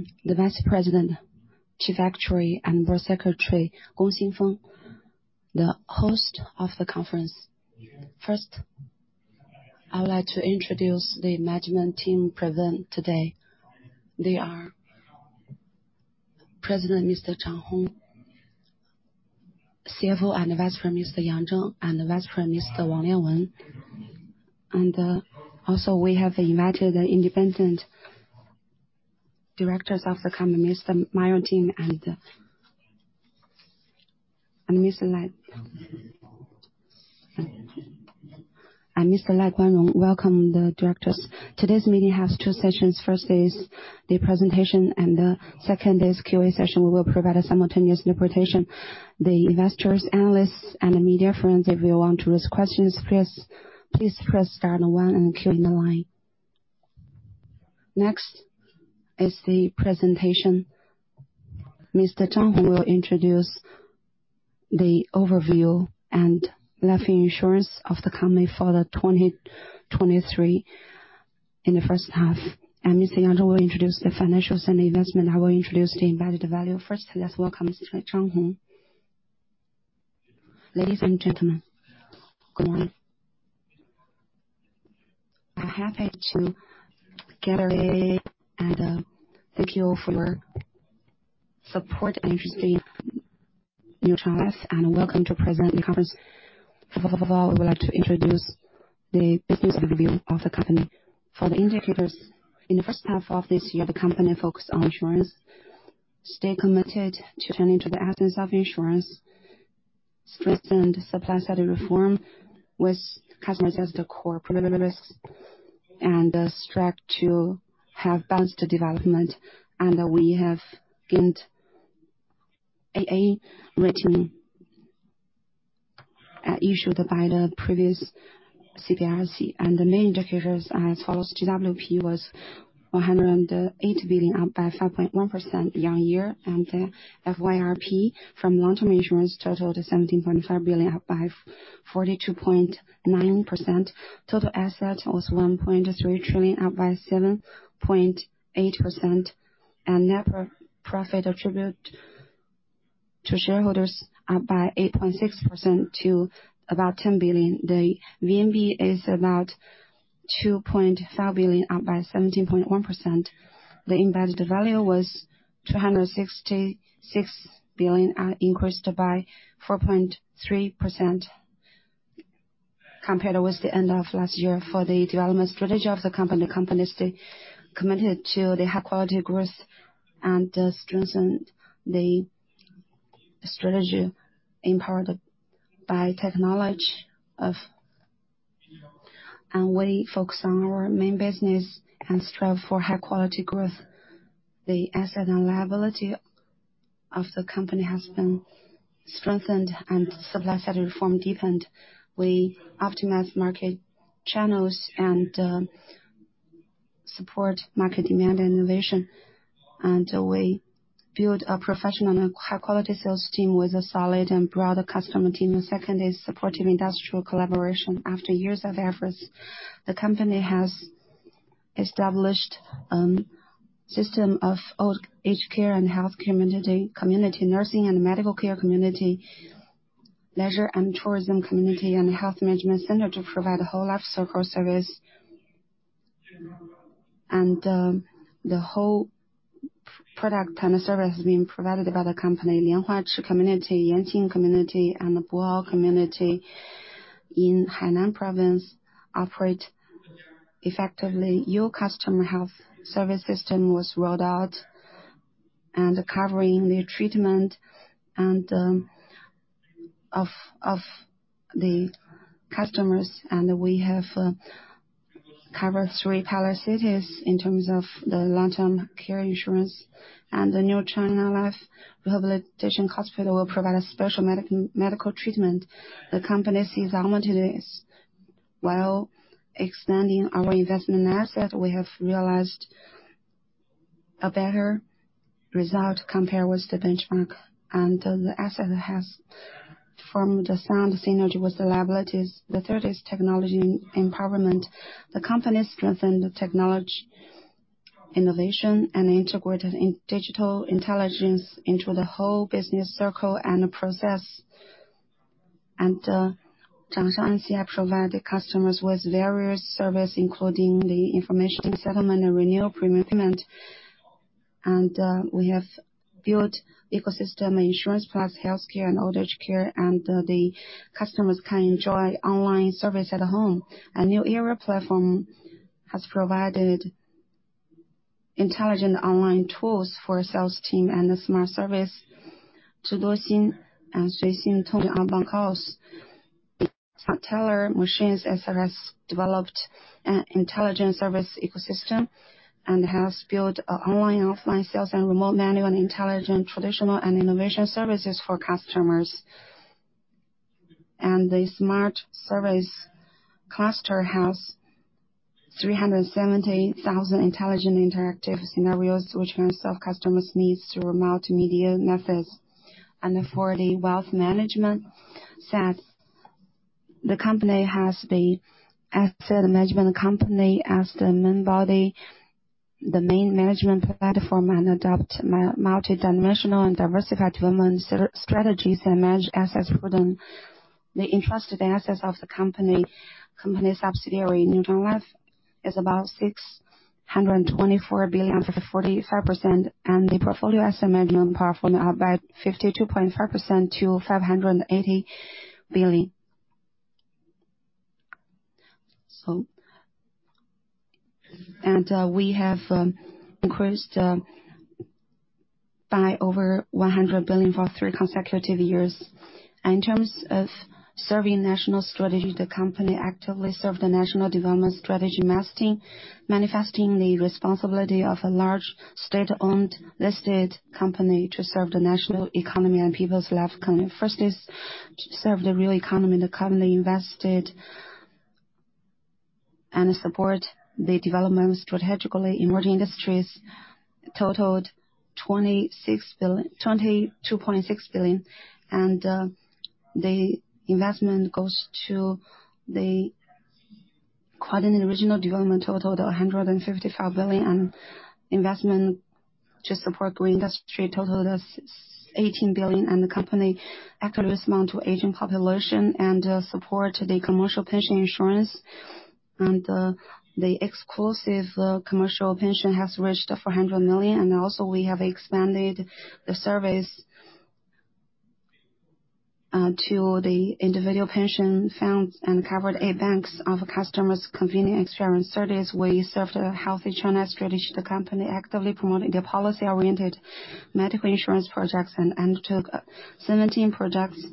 I am the Vice President, Chief Actuary, and Board Secretary, Gong Xingfeng, the host of the conference. First, I would like to introduce the management team present today. They are President Zhang Hong, CFO and Vice President Yang Zheng, and the Vice President Wang Lianwen. Also, we have invited the independent directors of the company, Mr. Ma Yiu Tim, and Mr. Lai Guanrong. Welcome the directors. Today's meeting has two sessions. First is the presentation, and the second is Q&A session. We will provide a simultaneous interpretation. The investors, analysts, and media friends, if you want to ask questions, please press star and one and queue in the line. Next is the presentation. Mr. Zhang Hong will introduce the overview and life insurance of the company for 2023 in the first half, and Mr. Yang Zheng will introduce the financials and investment. I will introduce the embedded value. First, let's welcome Mr. Zhang Hong. Ladies and gentlemen, good morning. I'm happy to gather here and thank you all for your support and interest in New China Life, and welcome to present the conference. First of all, I would like to introduce the business review of the company. For the indicators, in the first half of this year, the company focused on insurance, stay committed to turning to the essence of insurance, strengthened supply-side reform with customers as the core privileges, and strive to have balanced development. We have gained AAA rating issued by the previous CBIRC. The main indicators are as follows: GWP was 108 billion, up by 5.1% year-on-year, and the FYRP from long-term insurance totaled 17.5 billion, up by 42.9%. Total assets was 1.3 trillion, up by 7.8%, and net profit attributable to shareholders, up by 8.6% to about 10 billion. The VNB is about 2.5 billion, up by 17.1%. The embedded value was 266 billion, increased by 4.3% compared with the end of last year. For the development strategy of the company, the company is still committed to the high-quality growth and, strengthen the strategy empowered by technology. We focus on our main business and strive for high-quality growth. The asset and liability of the company has been strengthened and supply-side reform deepened. We optimize market channels and support market demand and innovation. We build a professional and high-quality sales team with a solid and broader customer team. The second is supportive industrial collaboration. After years of efforts, the company has established system of old age care and health community, community nursing and medical care community, leisure and tourism community, and health management center to provide a whole life circle service. The whole product and service has been provided by the company. Lianhuachi Community, Yanqing Community, and the Boao Community in Hainan Province operate effectively. U Customer + health service system was rolled out and covering the treatment and of the customers, and we have covered three palace cities in terms of the long-term care insurance. The New China Life Rehabilitation Hospital will provide a special medical treatment. The company sees opportunities while expanding our investment assets. We have realized a better result compared with the benchmark, and the asset has formed a sound synergy with the liabilities. The third is technology empowerment. The company strengthened the technology innovation and integrated digital intelligence into the whole business circle and the process. Zhangshang provided customers with various service, including the information settlement and Renewal pre-payment. We have built ecosystem insurance, plus healthcare and old-age care, and the customers can enjoy online service at home. A new era platform has provided intelligent online tools for sales team and the smart service to Zhiduoxin and Suixintong Smart Teller Machine has developed an intelligent service ecosystem and has built an online, offline sales and remote manual and intelligent, traditional, and innovation services for customers. The smart service cluster has 370,000 intelligent interactive scenarios, which can solve customers' needs through multimedia methods. The fourth is wealth management set. The company has the asset management company as the main body, the main management platform, and adopt multidimensional and diversified development set of strategies and manage assets for them. The entrusted assets of the company, company's subsidiary, New China Life, is about 624 billion for the 45%, and the portfolio asset management platform are about 52.5% to RMB 580 billion. And, we have increased by over 100 billion for three consecutive years. In terms of serving national strategy, the company actively served the national development strategy, manifesting the responsibility of a large state-owned listed company to serve the national economy and people's livelihood. First, to serve the real economy. The company invested and support the development strategically emerging industries totaled 22.6 billion, and the investment goes to the quite an original development, totaled 155 billion, and investment to support the industry totaled 18 billion. The company actively respond to aging population and support the commercial pension insurance. The exclusive commercial pension has reached 400 million, and also we have expanded the service to the individual pension funds and covered eight banks of customers convenient experience service. We serve the Healthy China strategy. The company actively promoting the policy-oriented medical insurance projects and undertook 17 projects,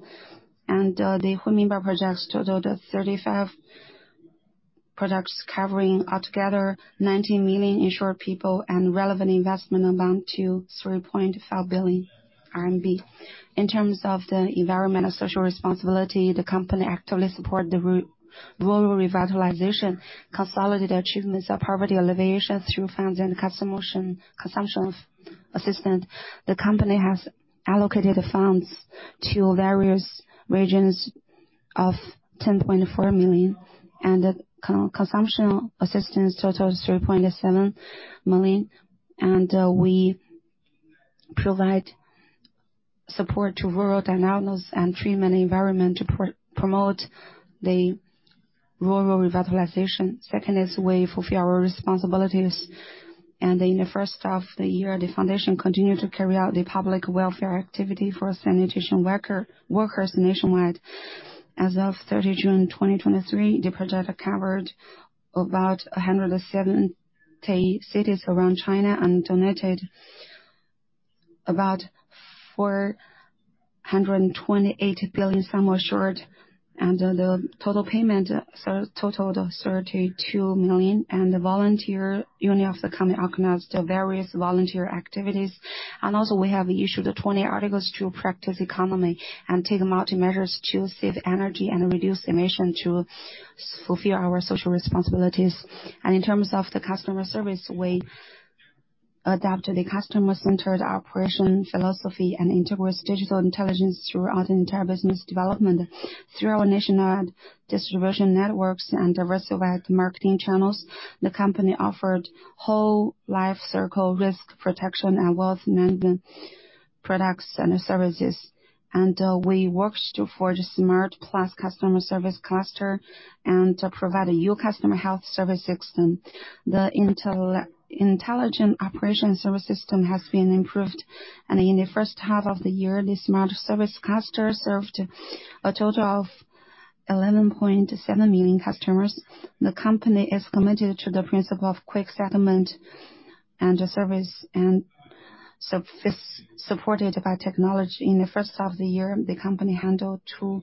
and the Huimin project totaled at 35 products, covering altogether 19 million insured people and relevant investment amount to 3.5 billion RMB. In terms of the environmental social responsibility, the company actively support the rural revitalization, consolidate the achievements of poverty alleviation through funds and customer consumption assistance. The company has allocated the funds to various regions of 10.4 million, and the consumption assistance totals 3.7 million. We provide support to rural dynamics and treatment environment to promote the rural revitalization. Second is the way we fulfill our responsibilities. In the first half of the year, the foundation continued to carry out the public welfare activity for sanitation worker, workers nationwide. As of 30 June 2023, the project covered about 170 cities around China and donated about 428 billion, somewhat short. The total payment so totaled 32 million, and the volunteer union of the company organized the various volunteer activities. We have issued the 20 articles to practice economy and take multi measures to save energy and reduce emission to fulfill our social responsibilities. In terms of the customer service, we adapt to the customer-centered operation philosophy and integrates digital intelligence throughout the entire business development. Through our national distribution networks and diversified marketing channels, the company offered whole life circle risk protection and wealth management products and services. We worked to forge a smart plus customer service cluster and to provide a U Customer + health service system. The intelligent operation service system has been improved, and in the first half of the year, the smart service cluster served a total of 11.7 million customers. The company is committed to the principle of quick settlement and service, and supported by technology. In the first half of the year, the company handled 2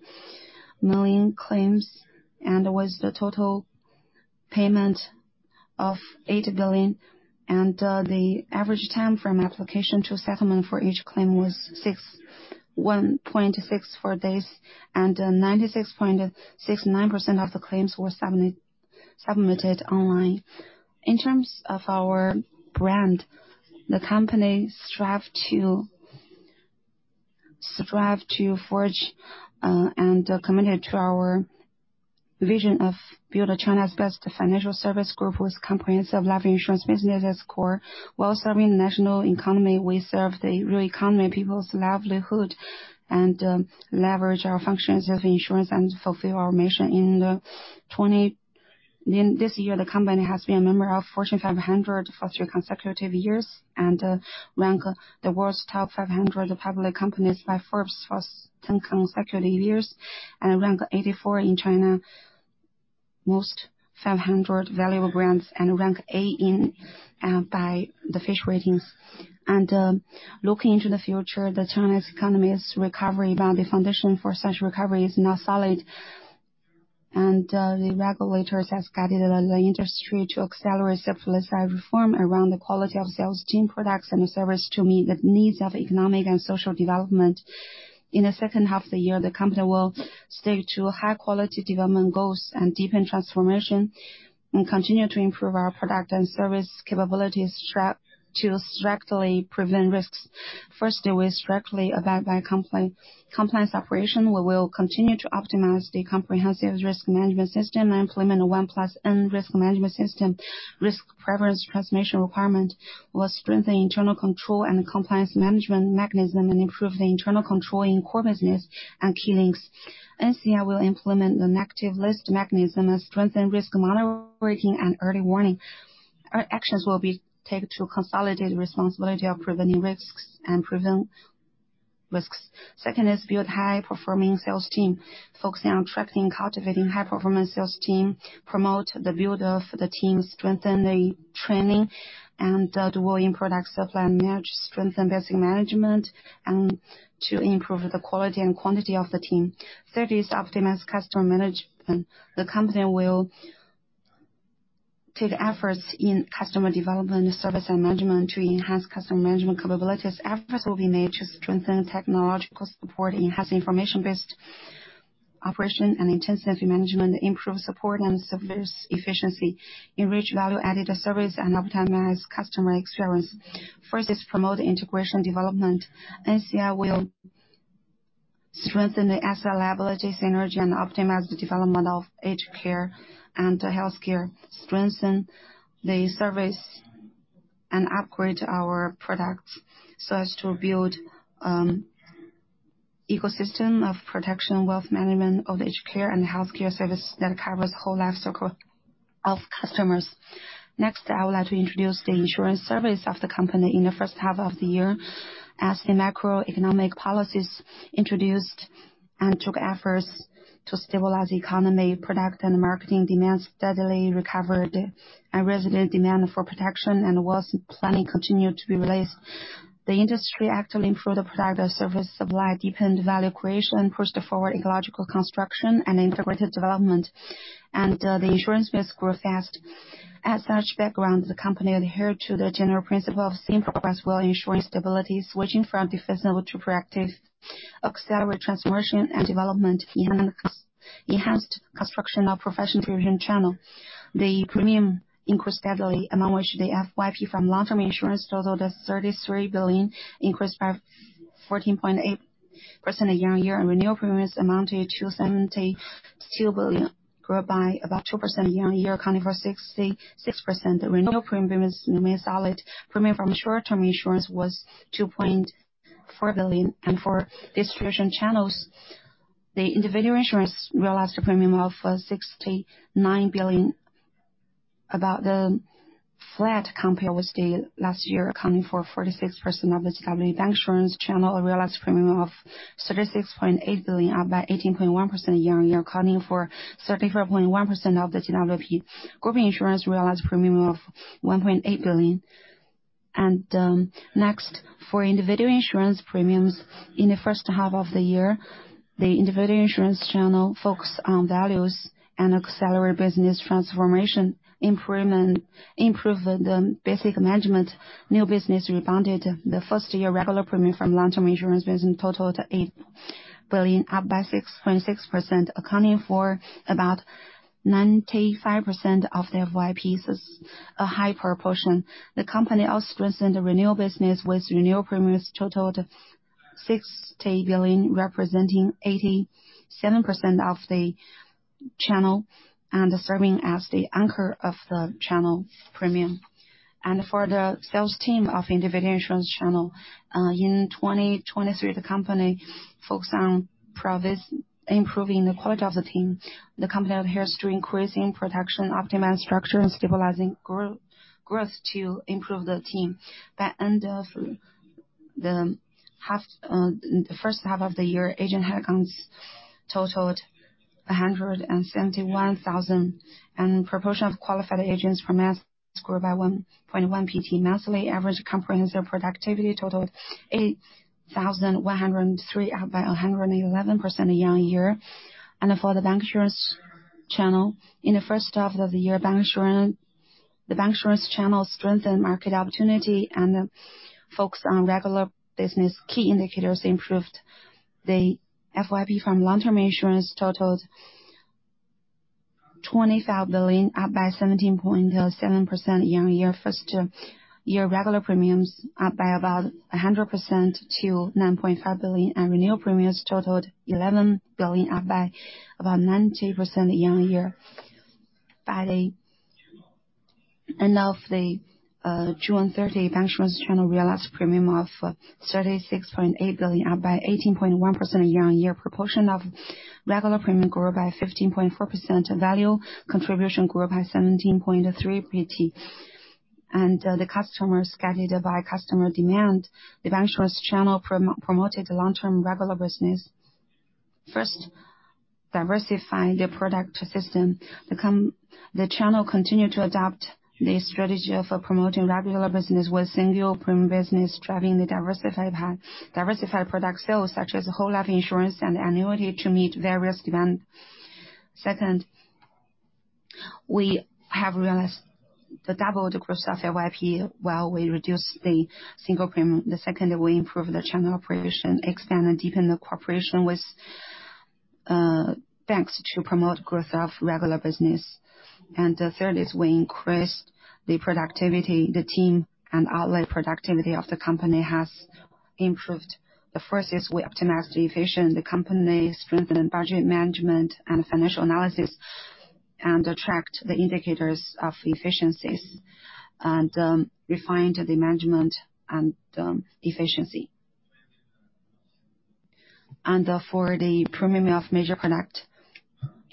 million claims and was the total payment of 8 billion, and the average time from application to settlement for each claim was 1.64 days, and 96.69% of the claims were submitted online. In terms of our brand, the company strive to, strive to forge, and are committed to our vision of build China's best financial service group with comprehensive life insurance business core. While serving the national economy, we serve the real economy, people's livelihood, and leverage our functions of insurance and fulfill our mission. In this year, the company has been a member of Fortune 500 for three consecutive years, and ranked the world's top 500 public companies by Forbes for 10 consecutive years, and ranked 84 in China, most 500 valuable brands, and ranked A by the Fitch Ratings. Looking into the future, the Chinese economy's recovery, but the foundation for such recovery is now solid. The regulators have guided the industry to accelerate self-led reform around the quality of sales, team products, and service to meet the needs of economic and social development. In the second half of the year, the company will stick to high-quality development goals and deepen transformation, and continue to improve our product and service capabilities step by step, to strictly prevent risks. First, we strictly abide by compliance, compliant operation. We will continue to optimize the comprehensive risk management system and implement a 1+N risk management system. Risk preference transformation requirement will strengthen internal control and compliance management mechanism, and improve the internal control in core business and key links. NCI will implement the negative list mechanism and strengthen risk monitoring and early warning. Our actions will be taken to consolidate responsibility of preventing risks and prevent risks. Second is build high-performing sales team, focusing on attracting, cultivating high-performance sales team, promote the build of the team, strengthen the training and, developing product supply, manage, strengthen basic management, and to improve the quality and quantity of the team. Third is optimize customer management. The company will take efforts in customer development, service and management to enhance customer management capabilities. Efforts will be made to strengthen technological support, enhance information-based operation and intensity management, improve support and service efficiency, enrich value-added service, and optimize customer experience. First is promote integration development. NCA will strengthen the asset liability synergy and optimize the development of aged care and healthcare, strengthen the service and upgrade our products so as to build, ecosystem of protection and wealth management of aged care and healthcare service that covers the whole life circle of customers. Next, I would like to introduce the insurance service of the company in the first half of the year. As the macroeconomic policies introduced and took efforts to stabilize economy, product and marketing demand steadily recovered, and resident demand for protection and wealth planning continued to be released. The industry actively improved the provider service supply, deepened value creation, pushed forward ecological construction and integrated development, and the insurance rates grew fast. As such background, the company adhered to the general principle of seeing progress while ensuring stability, switching from defensible to proactive, accelerate transformation and development, enhanced construction of professional division channel. The premium increased steadily, among which the FYP from long-term insurance totaled 33 billion, increased by 14.8% year-on-year, and Renewal Premiums amounted to 72 billion, grew by about 2% year-on-year, accounting for 66%. The Renewal Premiums remain solid. Premium from short-term insurance was 2.4 billion. For distribution channels, the Individual Insurance realized a premium of 69 billion, about the flat compared with the last year, accounting for 46% of the GWP. Bancassurance channel realized a premium of 36.8 billion, up by 18.1% year-on-year, accounting for 34.1% of the GWP. Group Insurance realized premium of 1.8 billion. Next, for Individual Insurance premiums in the first half of the year, the Individual Insurance channel focused on values and accelerated business transformation, improvement, improved the basic management. New business rebounded. The first year, regular premium from long-term insurance business totaled 8 billion, up by 6.6%, accounting for about 95% of the FYPs, a high proportion. The company also strengthened the Renewal business, with Renewal Premiums totaled 60 billion, representing 87% of the channel and serving as the anchor of the channel premium. For the sales team of Individual Insurance channel, in 2023, the company focused on improving the quality of the team. The company adheres to increasing protection, optimize structure, and stabilizing growth to improve the team. By the end of the first half of the year, agent headcounts totaled 171,000, and proportion of qualified agents from last quarter by 1.1 percentage point. Monthly average comprehensive productivity totaled 8,103, up by 111% year-on-year. For the Bancassurance channel, in the first half of the year, Bancassurance, the Bancassurance channel strengthened market opportunity and focused on regular business. Key indicators improved. The FYP from long-term insurance totaled 25 billion, up by 17.7% year-on-year. First year regular premiums up by about 100% to 9.5 billion, and Renewal Premiums totaled 11 billion, up by about 90% year-on-year. By the end of June thirtieth, Bancassurance channel realized premium of 36.8 billion, up by 18.1% year-on-year. Proportion of regular premium grew by 15.4%, value contribution grew up by 17.3 percentage point. And the customers, guided by customer demand, the Bancassurance channel promoted long-term regular business. First, diversify the product system. The channel continued to adopt the strategy of promoting regular business with single premium business, driving the diversified product sales, such as whole life insurance and annuity to meet various demand. Second. We have realized the double the growth of FYP while we reduced the single premium. The second, we improved the channel operation, expand and deepen the cooperation with banks to promote growth of regular business. The third is we increased the productivity. The team and outlet productivity of the company has improved. The first is we optimize the efficiency of the company, strengthen budget management and financial analysis, and tracked the indicators of efficiencies, and refined the management and efficiency. For the premium of major product,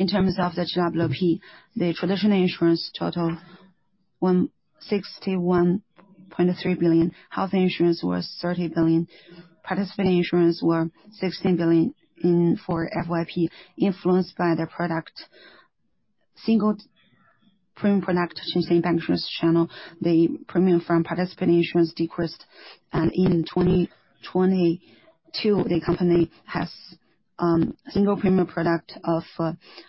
in terms of the GWP, the Traditional insurance total, 161.3 billion. Health insurance was 30 billion. Participating insurance were 16 billion in for FYP, influenced by the product. Single premium product change in Bancassurance channel, the premium from Participating insurance decreased. In 2022, the company has single premium product of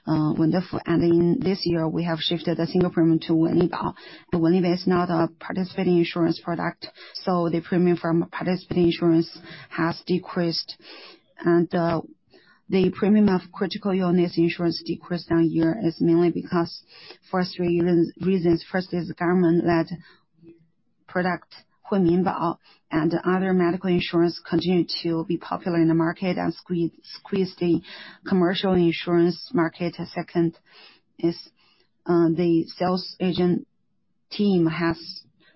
wonderful. In this year, we have shifted the single premium to Wenlibao. The Wenlibao is not a Participating insurance product, so the premium from Participating insurance has decreased. The premium of critical illness insurance decreased year-on-year mainly because of three reasons. First is the government-led product, Huiminbao, and other medical insurance continue to be popular in the market and squeeze the commercial insurance market. Second is, the sales agent team has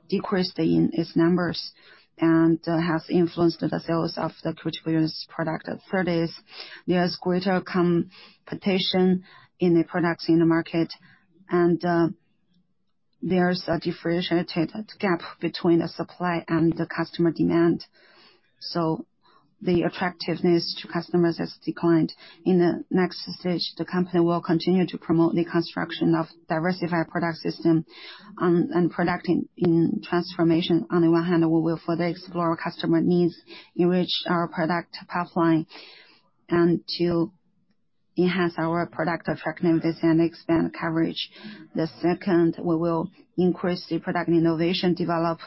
decreased in its numbers and, has influenced the sales of the critical illness product. The third is there is greater competition in the products in the market, and, there's a differentiated gap between the supply and the customer demand, so the attractiveness to customers has declined. In the next stage, the company will continue to promote the construction of diversified product system and product innovation and transformation. On the one hand, we will further explore our customer needs, enrich our product pipeline, and to enhance our product attractiveness and expand coverage. Second, we will increase the product innovation, develop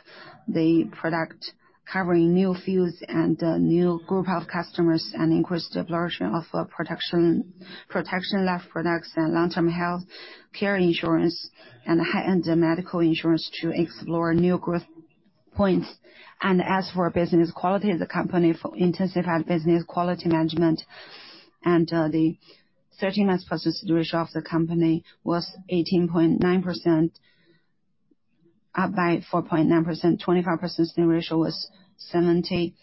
the product covering new fields and a new group of customers, and increase the proportion of protection, protection life products and long-term healthcare insurance and high-end medical insurance to explore new growth points. As for business quality, the company for intensified business quality management and, the 13-month persistency ratio of the company was 18.9%, up by 4.9%. 25-month persistency ratio was 79%,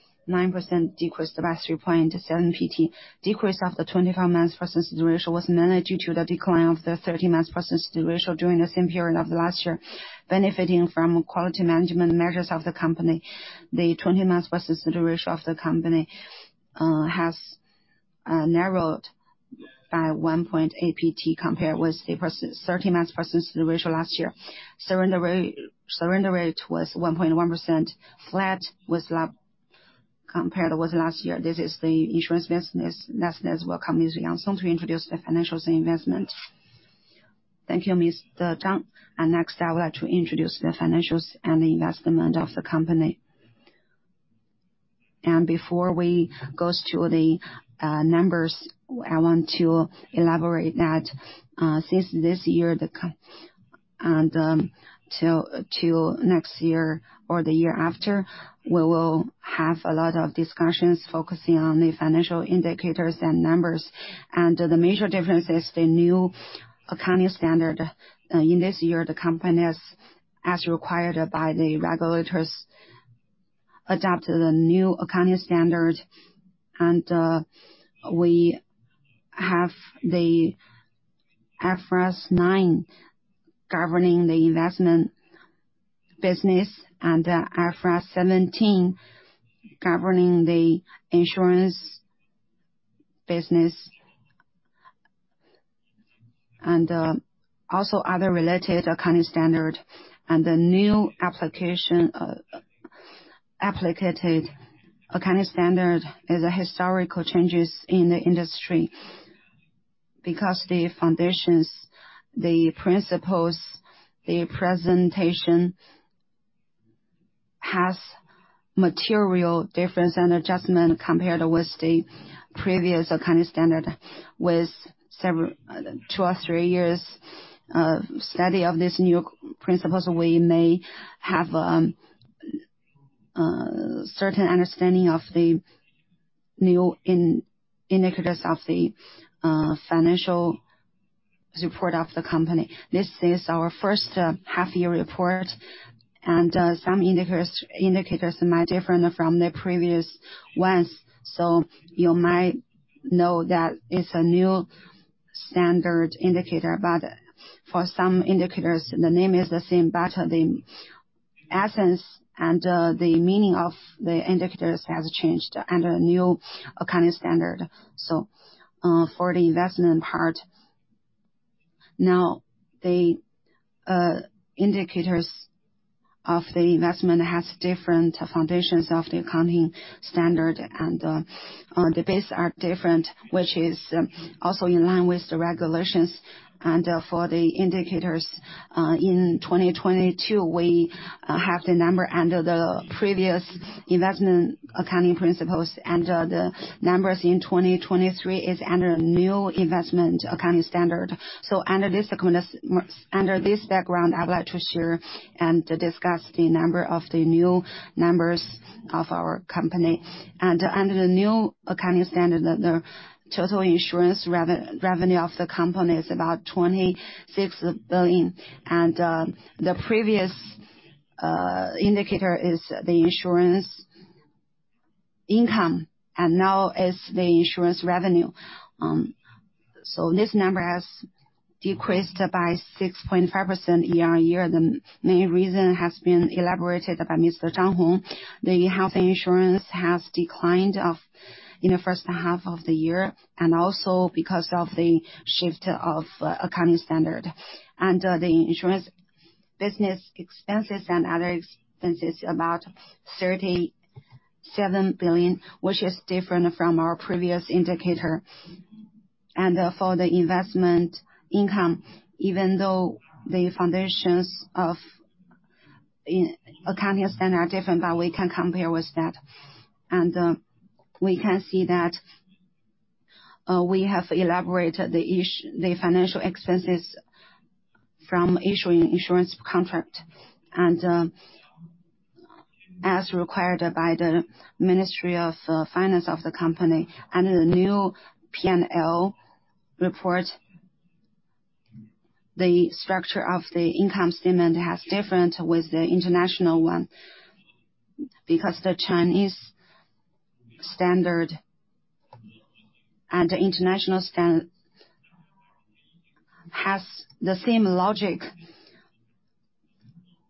decreased by 3.7 percentage points. Decrease of the 25-month persistency ratio was mainly due to the decline of the 13-month persistency ratio during the same period of last year. Benefiting from quality management measures of the company, the 20-month persistency ratio of the company has narrowed by 1.8 percentage point compared with the 13-month persistency ratio last year. Surrender rate was 1.1%, flat compared with last year. This is the insurance business. Next, let's welcome Mr. Yang Zheng to introduce the financials and investment. Thank you, Mr. Zhang. Next, I would like to introduce the financials and the investment of the company. Before we go to the numbers, I want to elaborate that since this year, the company and till next year or the year after, we will have a lot of discussions focusing on the financial indicators and numbers. The major difference is the new accounting standard. In this year, the company has, as required by the regulators, adopted a new accounting standard, and we have the IFRS 9 governing the investment business and IFRS 17 governing the insurance business. Also other related accounting standard and the new application, applicated accounting standard is a historical changes in the industry. Because the foundations, the principles, the presentation has material difference and adjustment compared with the previous accounting standard, with several, two or three years, study of these new principles, we may have certain understanding of the new indicators of the financial report of the company. This is our first half year report, and some indicators might different from the previous ones. So you might know that it's a new standard indicator, but for some indicators, the name is the same, but the essence and the meaning of the indicators has changed under a new accounting standard. So for the investment part, now the indicators of the investment has different foundations of the accounting standard, and the base are different, which is also in line with the regulations. And for the indicators in 2022, we have the number under the previous investment accounting principles, and the numbers in 2023 is under new investment accounting standard. So under this background, I'd like to share and discuss the number of the new numbers of our company. Under the new accounting standard, the total insurance revenue of the company is about 26 billion, and the previous indicator is the insurance income, and now is the insurance revenue. So this number has decreased by 6.5% year-on-year. The main reason has been elaborated by Mr. Zhang Hong. The Health insurance has declined off in the first half of the year, and also because of the shift of accounting standard. The insurance business expenses and other expenses about 37 billion, which is different from our previous indicator. For the investment income, even though the foundations of accounting standard are different, but we can compare with that. We can see that we have elaborated the financial expenses from issuing Insurance Contract. As required by the Ministry of Finance of the company, under the new P&L report, the structure of the income statement has different with the international one, because the Chinese standard and the international standard has the same logic.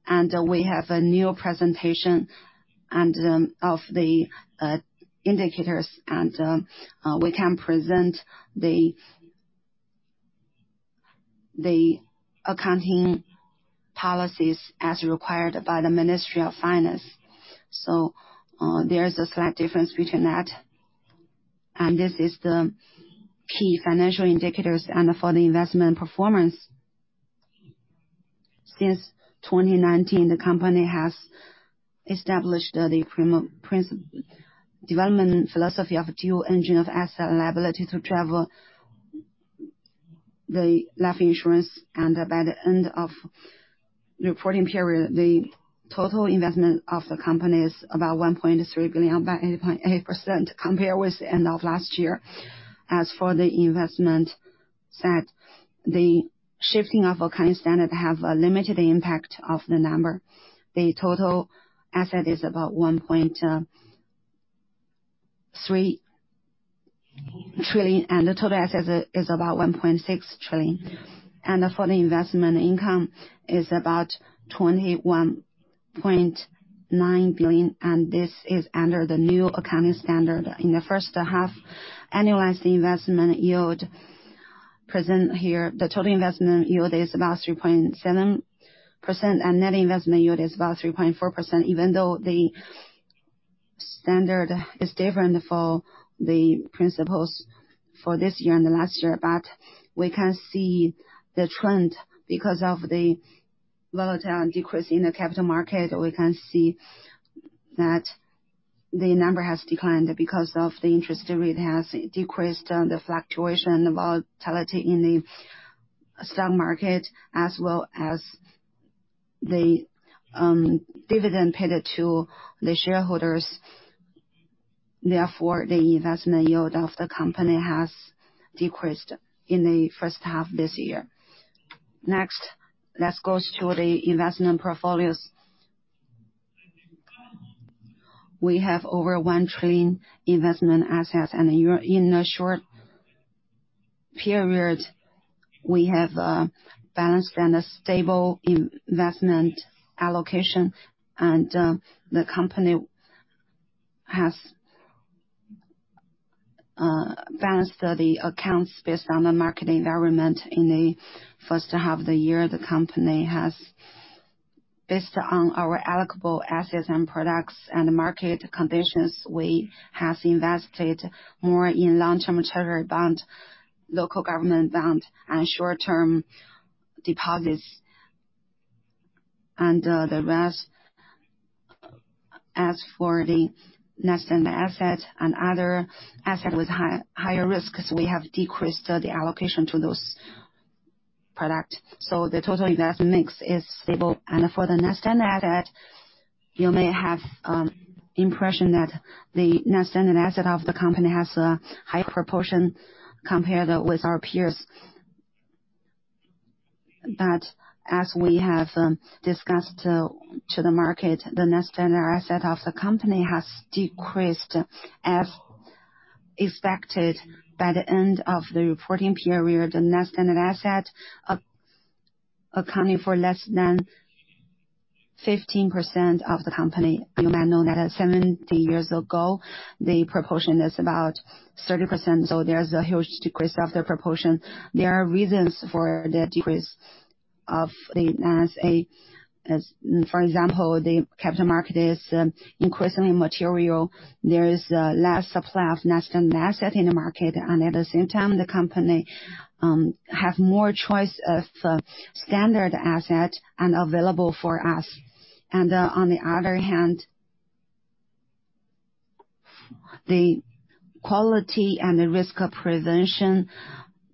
And we have a new presentation and of the indicators, and we can present the accounting policies as required by the Ministry of Finance. So there is a slight difference between that, and this is the key financial indicators. And for the investment performance, since 2019, the company has established the primary principle development philosophy of dual engine of asset and liability to drive the life insurance. And by the end of reporting period, the total investment of the company is about 1.3 billion, up by 8.8% compared with the end of last year. As for the investment side, the shifting of accounting standard have a limited impact of the number. The total asset is about 1.3 trillion, and the total asset is about 1.6 trillion. For the investment income is about 21.9 billion, and this is under the new accounting standard. In the first half, annualized investment yield present here, the total investment yield is about 3.7%, and net investment yield is about 3.4%, even though the standard is different for the principles for this year and the last year. We can see the trend because of the volatile decrease in the capital market. We can see that the number has declined because of the interest rate has decreased, and the fluctuation and volatility in the stock market, as well as the dividend paid to the shareholders. Therefore, the investment yield of the company has decreased in the first half this year. Next, let's go to the investment portfolios. We have over 1 trillion investment assets, and in a short period, we have a balanced and a stable investment allocation, and the company has balanced the accounts based on the market environment. In the first half of the year, the company has, based on our allocable assets and products and the market conditions, we have invested more in long-term treasury bond, local government bond, and short-term deposits. And the rest, as for the non-standard asset and other asset with higher risk, we have decreased the allocation to those product, so the total investment mix is stable. And for the non-standard asset, you may have impression that the non-standard asset of the company has a high proportion compared with our peers. But as we have discussed to the market, the non-standard asset of the company has decreased as expected. By the end of the reporting period, the non-standard asset accounting for less than 15% of the company. You might know that 70 years ago, the proportion is about 30%, so there's a huge decrease of the proportion. There are reasons for the decrease of the NSA, as for example, the capital market is increasingly material. There is a large supply of national asset in the market, and at the same time, the company have more choice of standard asset and available for us. And on the other hand, the quality and the risk of prevention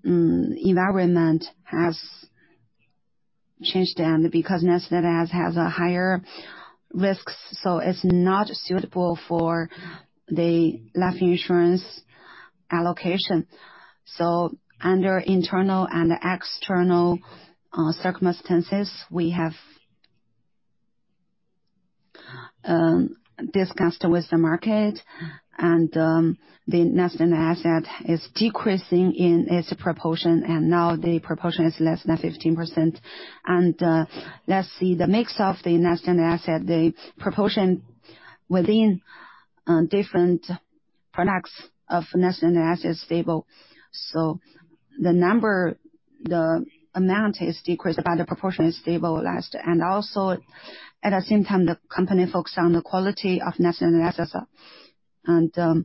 environment has changed down because national asset has a higher risks, so it's not suitable for the life insurance allocation. So under internal and external circumstances, we have discussed with the market, and the non-standard assets are decreasing in their proportion, and now the proportion is less than 15%. And let's see the mix of the non-standard assets, the proportion within different products of non-standard assets is stable. So the number, the amount has decreased, but the proportion is stable last. And also, at the same time, the company focuses on the quality of non-standard assets. And the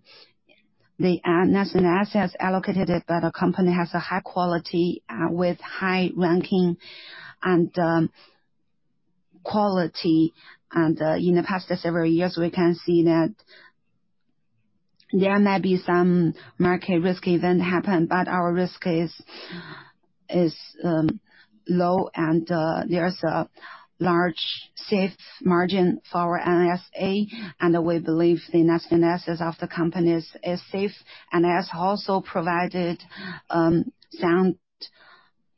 non-standard assets allocated by the company has a high quality with high ranking and quality. And in the past several years, we can see that there may be some market risk event happened, but our risk is low, and there's a large safe margin for our NSA. And we believe the national assets of the company is safe and has also provided sound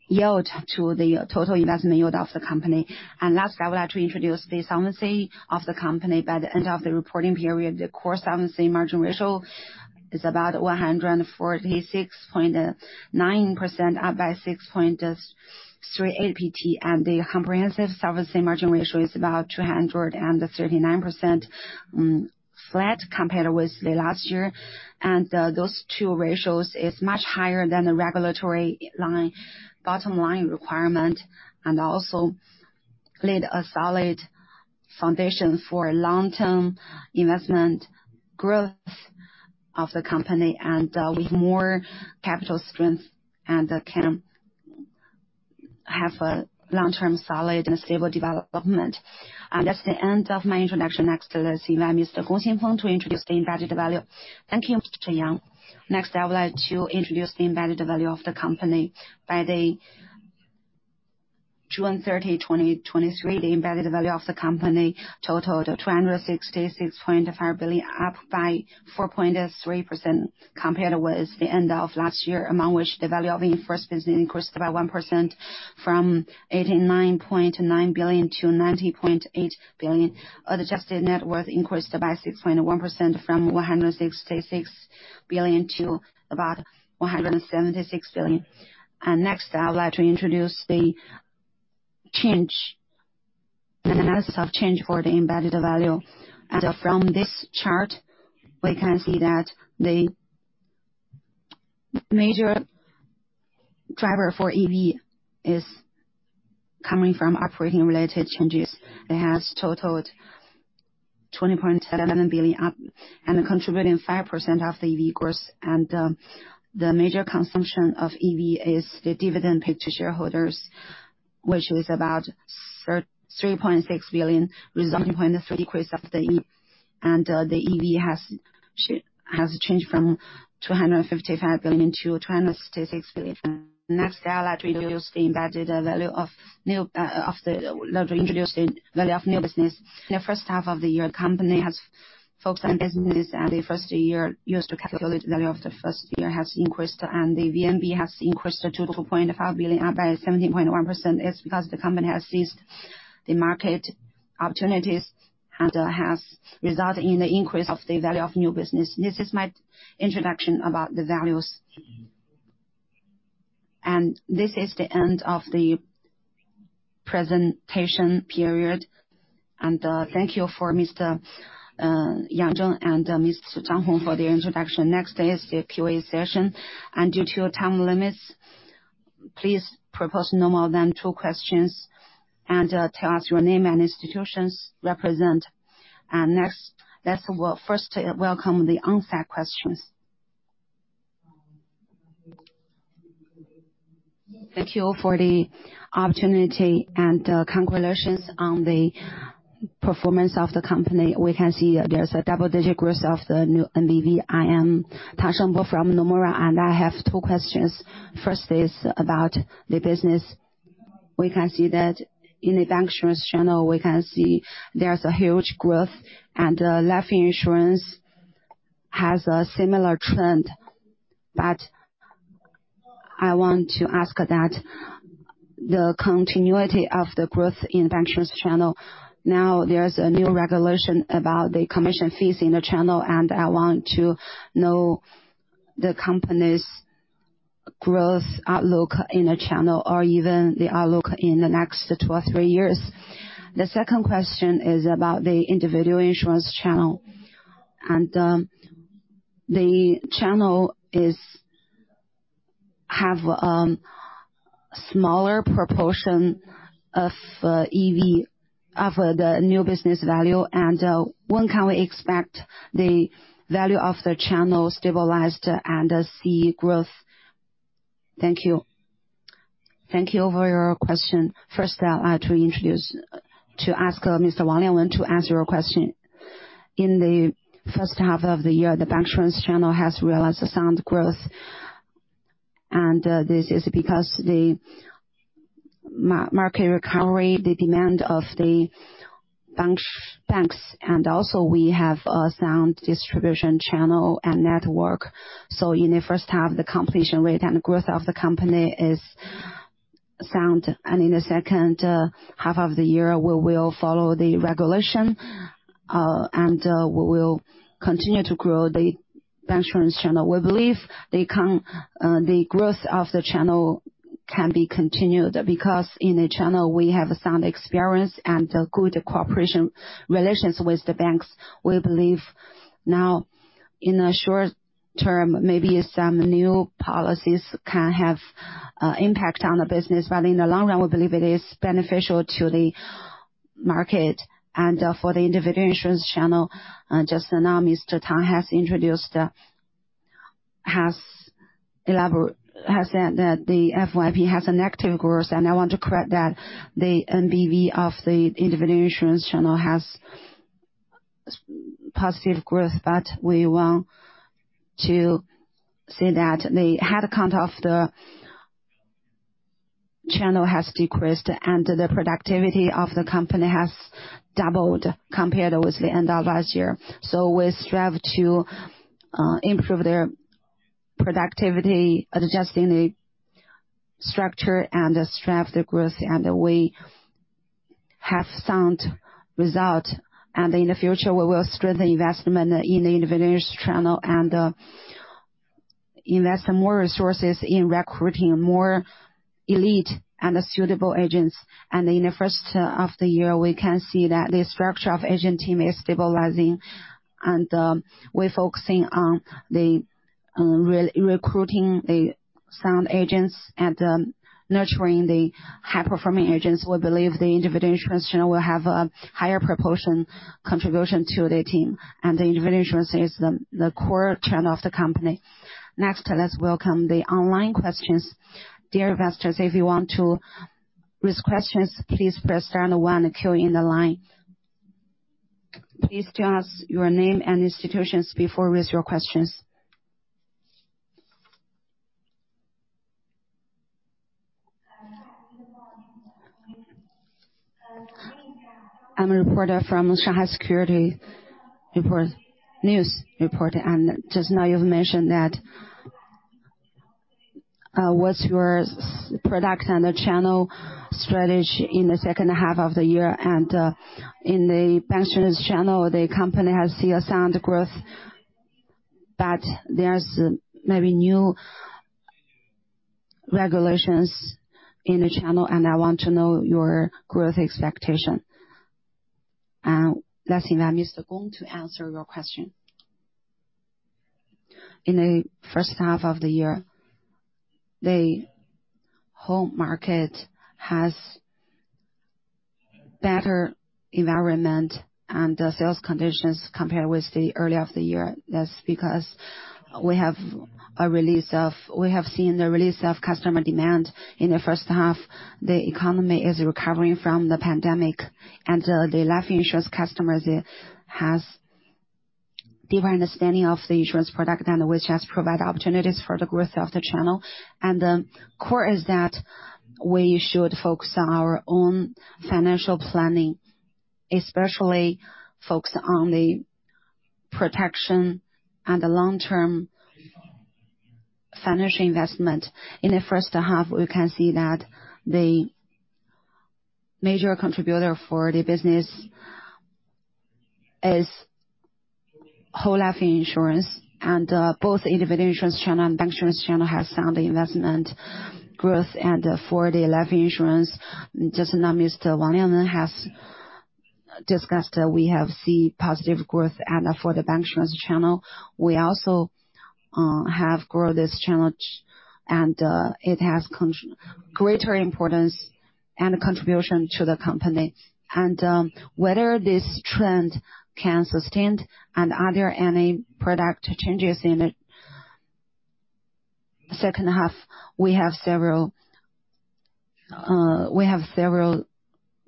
yield to the total investment yield of the company. Last, I would like to introduce the solvency of the company. By the end of the reporting period, the core solvency margin ratio is about 146.9%, up by 6.3 percentage point, and the comprehensive solvency margin ratio is about 239%, flat compared with the last year. Those two ratios is much higher than the regulatory line, bottom line requirement, and also laid a solid foundation for long-term investment growth of the company, and with more capital strength and can have a long-term, solid, and stable development. That's the end of my introduction. Next, let's invite Mr. Gong Xingfeng to introduce the Embedded Value. Thank you, Mr. Yang. Next, I would like to introduce the Embedded Value of the company. By June 30, 2023, the Embedded Value of the company totaled 266.5 billion, up 4.3% compared with the end of last year, among which the value of investments increased 1% from 89.9 billion to 90.8 billion. Adjusted net worth increased 6.1% from 166 billion to about 176 billion. Next, I would like to introduce the change, analysis of change for the Embedded Value. From this chart, we can see that the major driver for EV is coming from operating-related changes. It has totaled 20.7 billion, up, and contributing 5% of the EV growth. The major consumption of EV is the dividend paid to shareholders, which is about 3.6 billion, resulting 0.3 increase of the EV. The EV has changed from 255 billion to 266 billion. Next, I would like to introduce the Embedded Value of new business. In the first half of the year, the company has focused on business, and the first year used to calculate the value of the first year has increased, and the VNB has increased to 2.5 billion, up by 17.1%. It's because the company has seized the market opportunities and has resulted in the increase of the value of new business. This is my introduction about the values. This is the end of the presentation period. Thank you for Mr. Yang Zheng and Mr. Zhang Hong for their introduction. Next is the Q&A session, and due to time limits, please propose no more than two questions and tell us your name and institution you represent. Next, let's welcome the first question. Thank you for the opportunity and congratulations on the performance of the company. We can see there's a double-digit growth of the new VNB. I am Tang Shengbo from Nomura, and I have two questions. First is about the business. We can see that in the Bancassurance channel, we can see there's a huge growth, and life insurance has a similar trend. But I want to ask that the continuity of the growth in the insurance channel, now there's a new regulation about the commission fees in the channel, and I want to know the company's growth outlook in the channel, or even the outlook in the next two or three years. The second question is about the Individual Insurance channel. And, the channel is, have, smaller proportion of, EV, of the new business value, and, when can we expect the value of the channel stabilized and see growth? Thank you. Thank you for your question. First, I'd like to ask Mr. Wang Lianwen to answer your question. In the first half of the year, the Bancassurance channel has realized a sound growth, and this is because the market recovery, the demand of the banks, and also we have a sound distribution channel and network. So in the first half, the completion rate and growth of the company is sound. And in the second half of the year, we will follow the regulation, and we will continue to grow the Bancassurance channel. We believe the growth of the channel can be continued, because in the channel, we have a sound experience and a good cooperation relations with the banks. We believe now, in the short term, maybe some new policies can have impact on the business, but in the long run, we believe it is beneficial to the market. For the Individual Insurance channel, just now, Mr. Tang has introduced, has said that the FYP has a negative growth, and I want to correct that. The NBV of the Individual Insurance channel has positive growth, but we want to say that the head count of the channel has decreased, and the productivity of the company has doubled compared with the end of last year. We strive to improve their productivity, adjusting the structure and strive the growth, and we have sound result. In the future, we will strengthen investment in the Individual Insurance channel and invest more resources in recruiting more elite and suitable agents. In the first half of the year, we can see that the structure of agent team is stabilizing, and we're focusing on the re-recruiting the sound agents and nurturing the high-performing agents. We believe the Individual Insurance channel will have a higher proportion contribution to the team, and the Individual Insurance is the core channel of the company. Next, let's welcome the online questions. Dear investors, if you want to raise questions, please press star number one to queue in the line. Please state your name and institutions before raise your questions. I'm a reporter from Shanghai Securities News, news reporter. Just now, you've mentioned that, what's your product and the channel strategy in the second half of the year? In the Bancassurance channel, the company has seen a sound growth, but there's maybe new regulations in the channel, and I want to know your growth expectation. Letting Mr. Gong to answer your question. In the first half of the year, the whole market has better environment and sales conditions compared with the early of the year. That's because we have a release of-- We have seen the release of customer demand in the first half. The economy is recovering from the pandemic, and the life insurance customers has deeper understanding of the insurance product, and which has provided opportunities for the growth of the channel. And the core is that we should focus on our own financial planning, especially focus on the protection and the long-term financial investment. In the first half, we can see that the major contributor for the business is whole life insurance, and both Individual Insurance channel and Bancassurance channel has sound investment growth. For the life insurance, just now, Mr. Wang Lianwen has discussed, we have seen positive growth. For the Bancassurance channel, we also have grown this channel, and it has greater importance and contribution to the company. Whether this trend can sustain and are there any product changes in the second half, we have several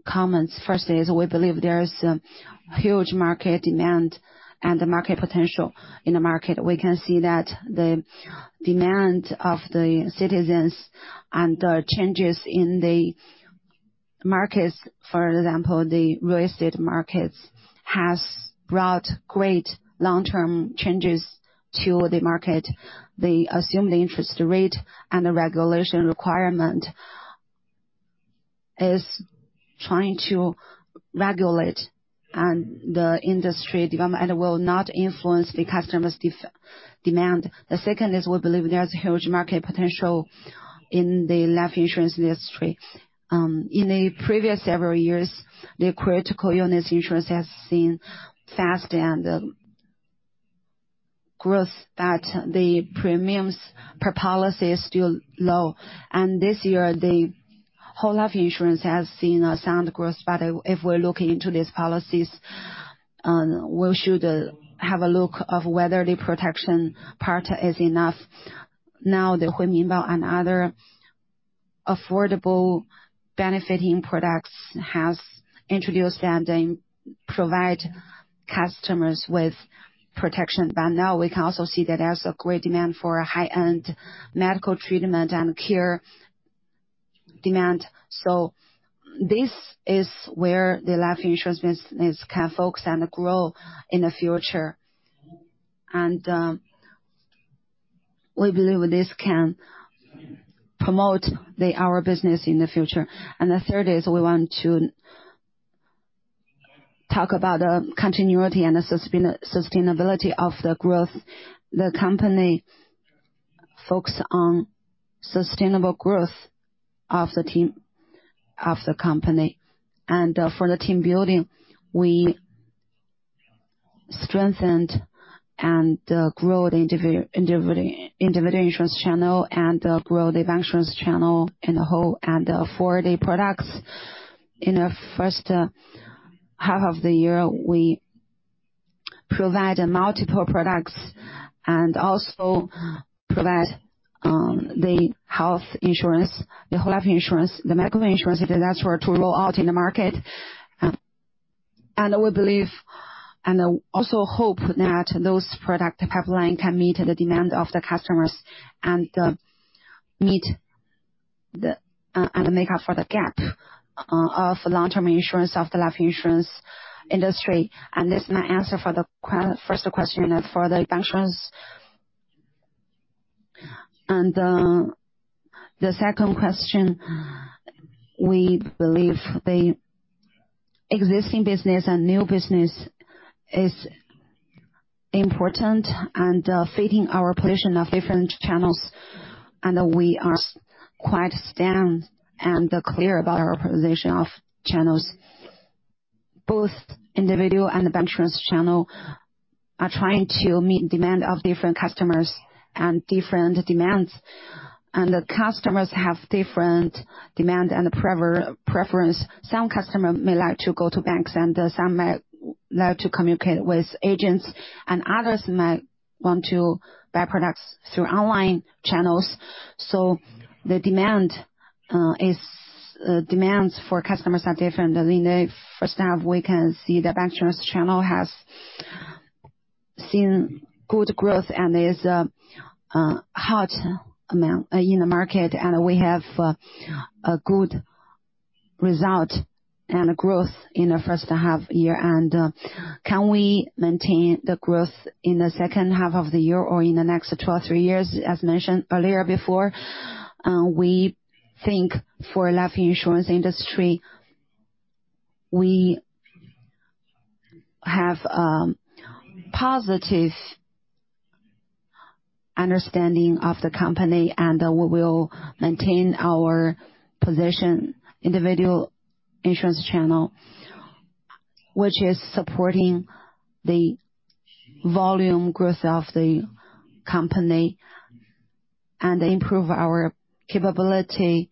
comments. First is, we believe there is a huge market demand and the market potential. In the market, we can see that the demand of the citizens and the changes in the markets, for example, the real estate markets, has brought great long-term changes to the market. The assumed interest rate and the regulation requirement is trying to regulate and the industry development, and will not influence the customer's demand. The second is, we believe there's a huge market potential in the life insurance industry. In the previous several years, the critical illness insurance has seen fast growth, but the premiums per policy is still low. This year, the whole life insurance has seen a sound growth. If we're looking into these policies, we should have a look of whether the protection part is enough. Now, the Huiminbao and other affordable benefit products has introduced and then provide customers with protection. Now we can also see that there's a great demand for high-end medical treatment and care demand. This is where the life insurance business can focus and grow in the future. We believe this can promote our business in the future. The third is we want to talk about continuity and the sustainability of the growth. The company focus on sustainable growth of the team, of the company. For the team building, we strengthened and grew the Individual Insurance channel and grow the Bancassurance channel in the whole. For the products, in the first half of the year, we provided multiple products and also provide the health insurance, the whole life insurance, the medical insurance, if that's where to roll out in the market. We believe, and I also hope that those product pipeline can meet the demand of the customers and meet and make up for the gap of long-term insurance, of the life insurance industry. This is my answer for the first question, for the Bancassurance. The second question, we believe the existing business and new business is important and fitting our position of different channels, and we are quite standard and clear about our position of channels. Both Individual and the Bancassurance channel are trying to meet demand of different customers and different demands, and the customers have different demands and preference. Some customer may like to go to banks, and some may like to communicate with agents, and others might want to buy products through online channels. So the demands for customers are different. In the first half, we can see the Bancassurance channel has seen good growth and is a hot amount in the market, and we have a good result and a growth in the first half year. And, can we maintain the growth in the second half of the year or in the next two or three years? As mentioned earlier, before, we think for life insurance industry, we have a positive understanding of the company, and, we will maintain our position Individual Insurance channel, which is supporting the volume growth of the company and improve our capability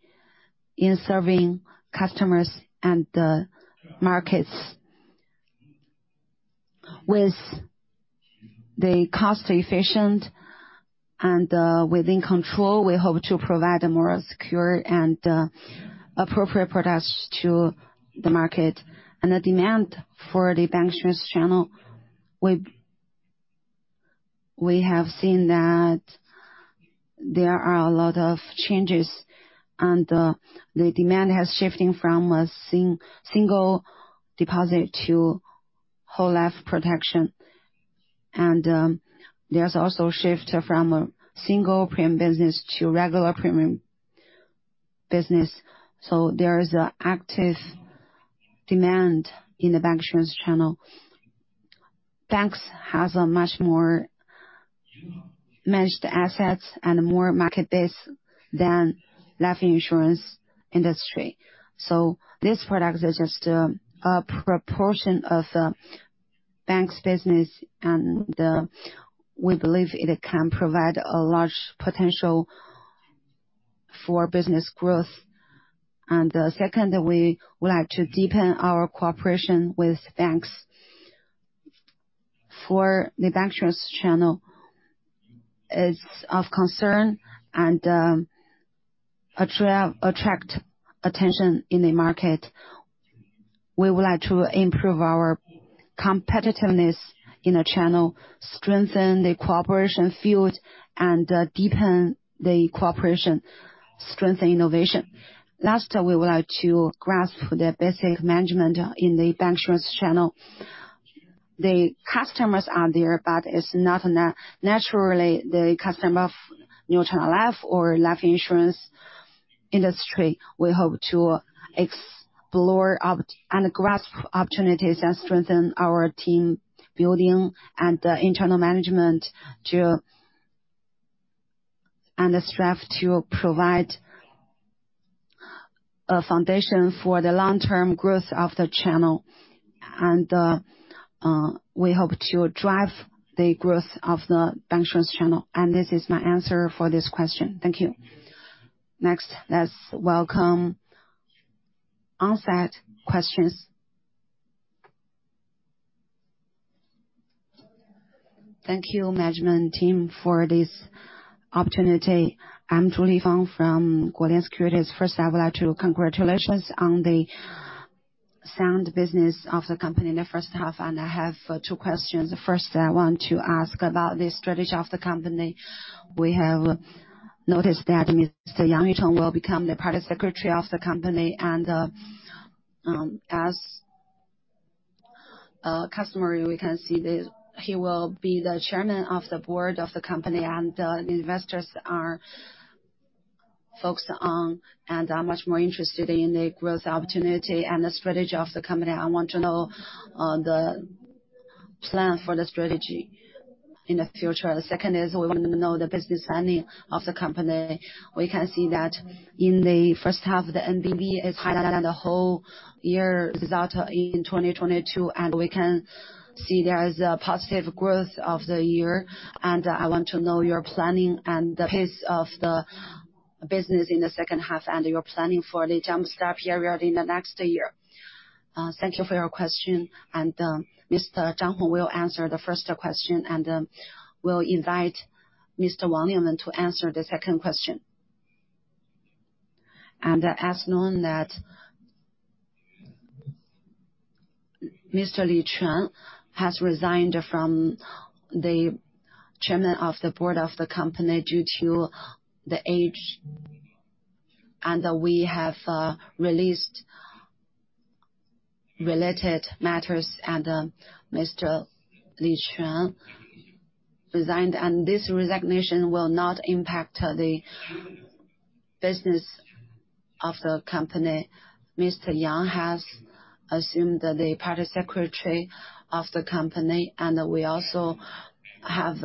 in serving customers and the markets. With the cost efficient and, within control, we hope to provide a more secure and, appropriate products to the market. The demand for the Bancassurance channel, we have seen that there are a lot of changes, and the demand has shifting from a single deposit to whole life protection. There's also a shift from a single premium business to regular premium business. So there is a active demand in the Bancassurance channel. Banks has a much more managed assets and more market base than life insurance industry. So this product is just a proportion of the bank's business, and we believe it can provide a large potential for business growth. Second, we would like to deepen our cooperation with banks, for the Bancassurance channel is of concern and attract attention in the market. We would like to improve our competitiveness in the channel, strengthen the cooperation field, and deepen the cooperation, strengthen innovation. Last, we would like to grasp the basic management in the Bancassurance channel. The customers are there, but it's not naturally the customer of New China Life or Life Insurance industry. We hope to explore and grasp opportunities and strengthen our team building and the internal management to, and the strength to provide a foundation for the long-term growth of the channel. And, we hope to drive the growth of the Bancassurance channel, and this is my answer for this question. Thank you. Next, let's welcome on-site questions. Thank you, management team, for this opportunity. I'm Julie Fang from Guolian Securities. First, I would like to congratulate on the sound business of the company in the first half, and I have two questions. The first, I want to ask about the strategy of the company. We have noticed that Mr. Yang Yucheng will become the party Secretary of the company, and, as a customer, we can see this. He will be the Chairman of the Board of the company, and, the investors are focused on and are much more interested in the growth opportunity and the strategy of the company. I want to know the plan for the strategy in the future. The second is we want to know the business planning of the company. We can see that in the first half, the NBV is higher than the whole year result in 2022, and we can see there is a positive growth of the year, and I want to know your planning and the pace of the business in the second half, and your planning for the jumpstart period in the next year. Thank you for your question, and Mr. Zhang Hong will answer the first question, and we'll invite Mr. Wang Lianwen to answer the second question. As known that Mr. Li Quan has resigned from the Chairman of the Board of the company due to the age, and we have released related matters, and Mr. Li Quan resigned, and this resignation will not impact the business of the company. Mr. Yang has assumed the party secretary of the company, and we also have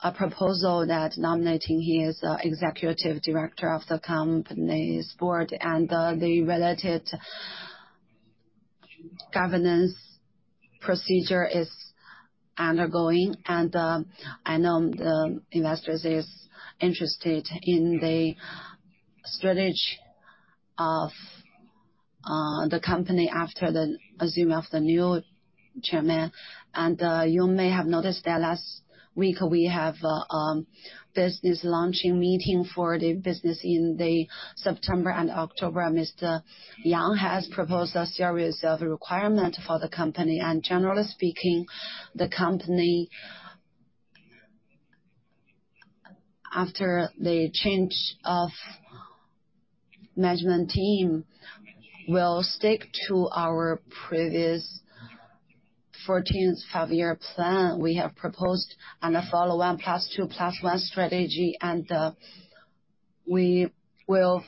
a proposal that nominating him as executive director of the company's board, and the related governance procedure is undergoing. I know the investors is interested in the strategy of the company after the assume of the new chairman. You may have noticed that last week, we have business launching meeting for the business in the September and October. Mr. Yang has proposed a series of requirement for the company, and generally speaking, the company, after the change of management team, will stick to our previous 14th five-year plan. We have proposed and follow 1+2+1 strategy, and we will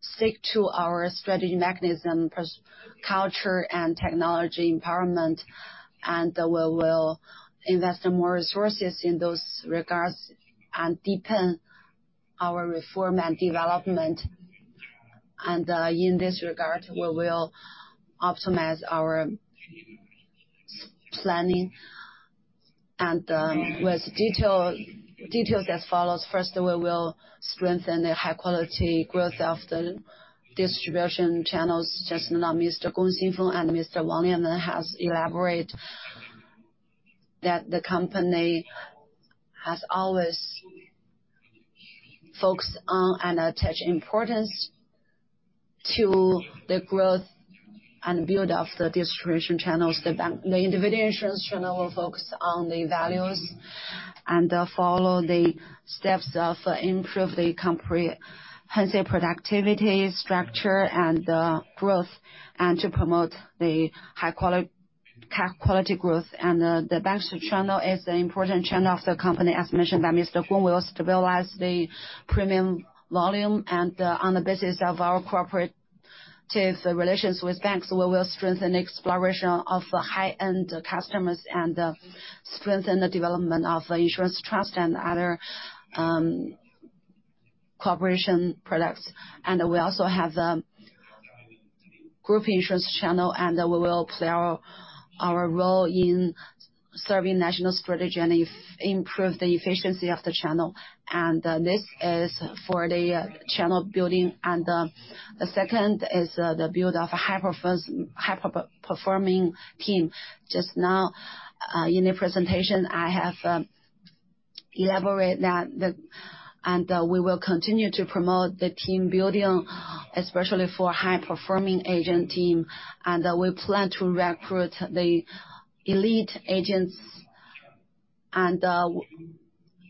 stick to our strategy mechanism, professional culture, and technology empowerment, and we will invest in more resources in those regards and deepen our reform and development. In this regard, we will optimize our sales planning and with details as follows: First, we will strengthen the high quality growth of the distribution channels. Just now, Mr. Gong Xingfeng and Mr. Wang Lianwen has elaborated that the company has always focused on and attached importance to the growth and build of the distribution channels. The Individual Insurance channel will focus on the values and follow the steps of improve the comprehensive productivity, structure, and growth, and to promote the high quality growth. The Bancassurance channel is an important channel of the company, as mentioned by Mr. Gong. We will stabilize the premium volume, and on the basis of our cooperative relations with banks, we will strengthen exploration of the high-end customers and strengthen the development of insurance, trust, and other cooperation products. We also have Group Insurance channel, and we will play our role in serving national strategy and improve the efficiency of the channel. This is for the channel building. The second is the build of a high performance, high-performing team. Just now, in the presentation, I have elaborated that and we will continue to promote the team building, especially for high-performing agent team, and we plan to recruit the elite agents and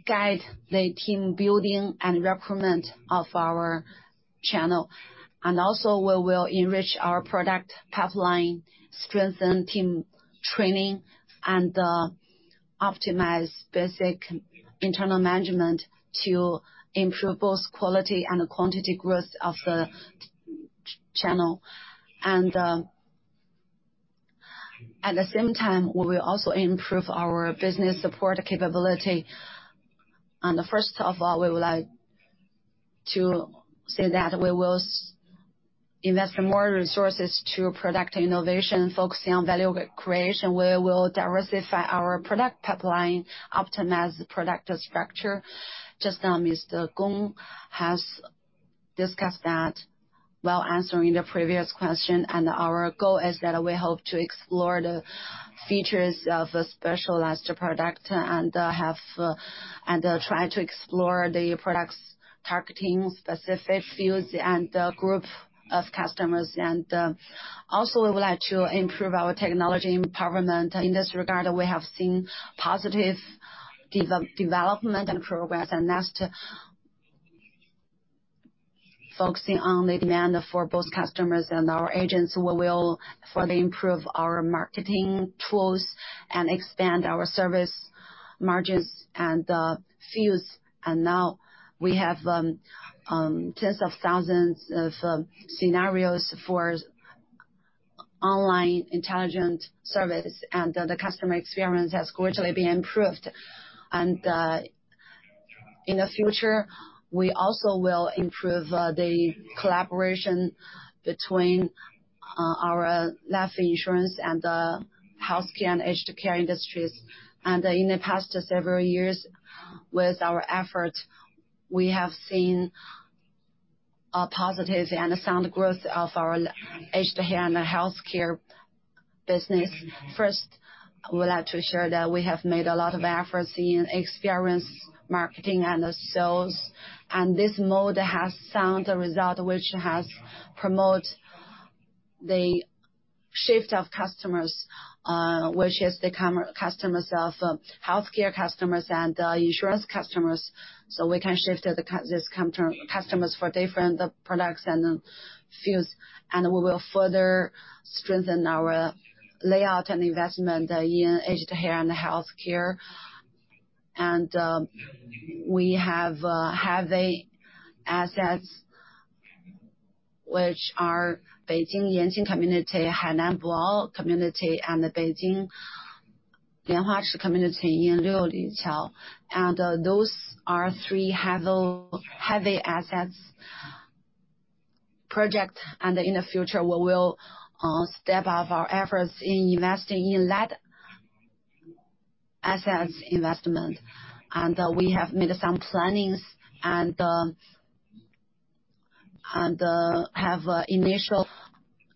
guide the team building and recruitment of our channel. And also, we will enrich our product pipeline, strengthen team training, and optimize basic internal management to improve both quality and quantity growth of the channel. At the same time, we will also improve our business support capability. And first of all, we would like to say that we will invest more resources to product innovation, focusing on value creation, where we'll diversify our product pipeline, optimize the product structure. Just now, Mr. Gong has discussed that while answering the previous question, and our goal is that we hope to explore the features of a specialized product and try to explore the product's targeting specific fields and group of customers. And also, we would like to improve our technology empowerment. In this regard, we have seen positive development and progress, and that's to focusing on the demand for both customers and our agents. We will further improve our marketing tools and expand our service margins and fields. And now we have tens of thousands of scenarios for online intelligent service, and the customer experience has gradually been improved. And in the future, we also will improve the collaboration between our life insurance and the healthcare and aged care industries. And in the past several years, with our effort, we have seen a positive and a sound growth of our aged care and healthcare business. First, I would like to share that we have made a lot of efforts in experience, marketing, and sales, and this mode has sound result, which has promote the shift of customers, which is the customer of healthcare customers and insurance customers. So we can shift these customers for different products and fields, and we will further strengthen our layout and investment in aged care and healthcare. We have heavy assets, which are Beijing Yanqing Community, Hainan Boao Community, and the Beijing Lianhuachi Community in Liulichang. Those are three heavy assets project, and in the future, we will step up our efforts in investing in that assets investment. We have made some plannings and have initial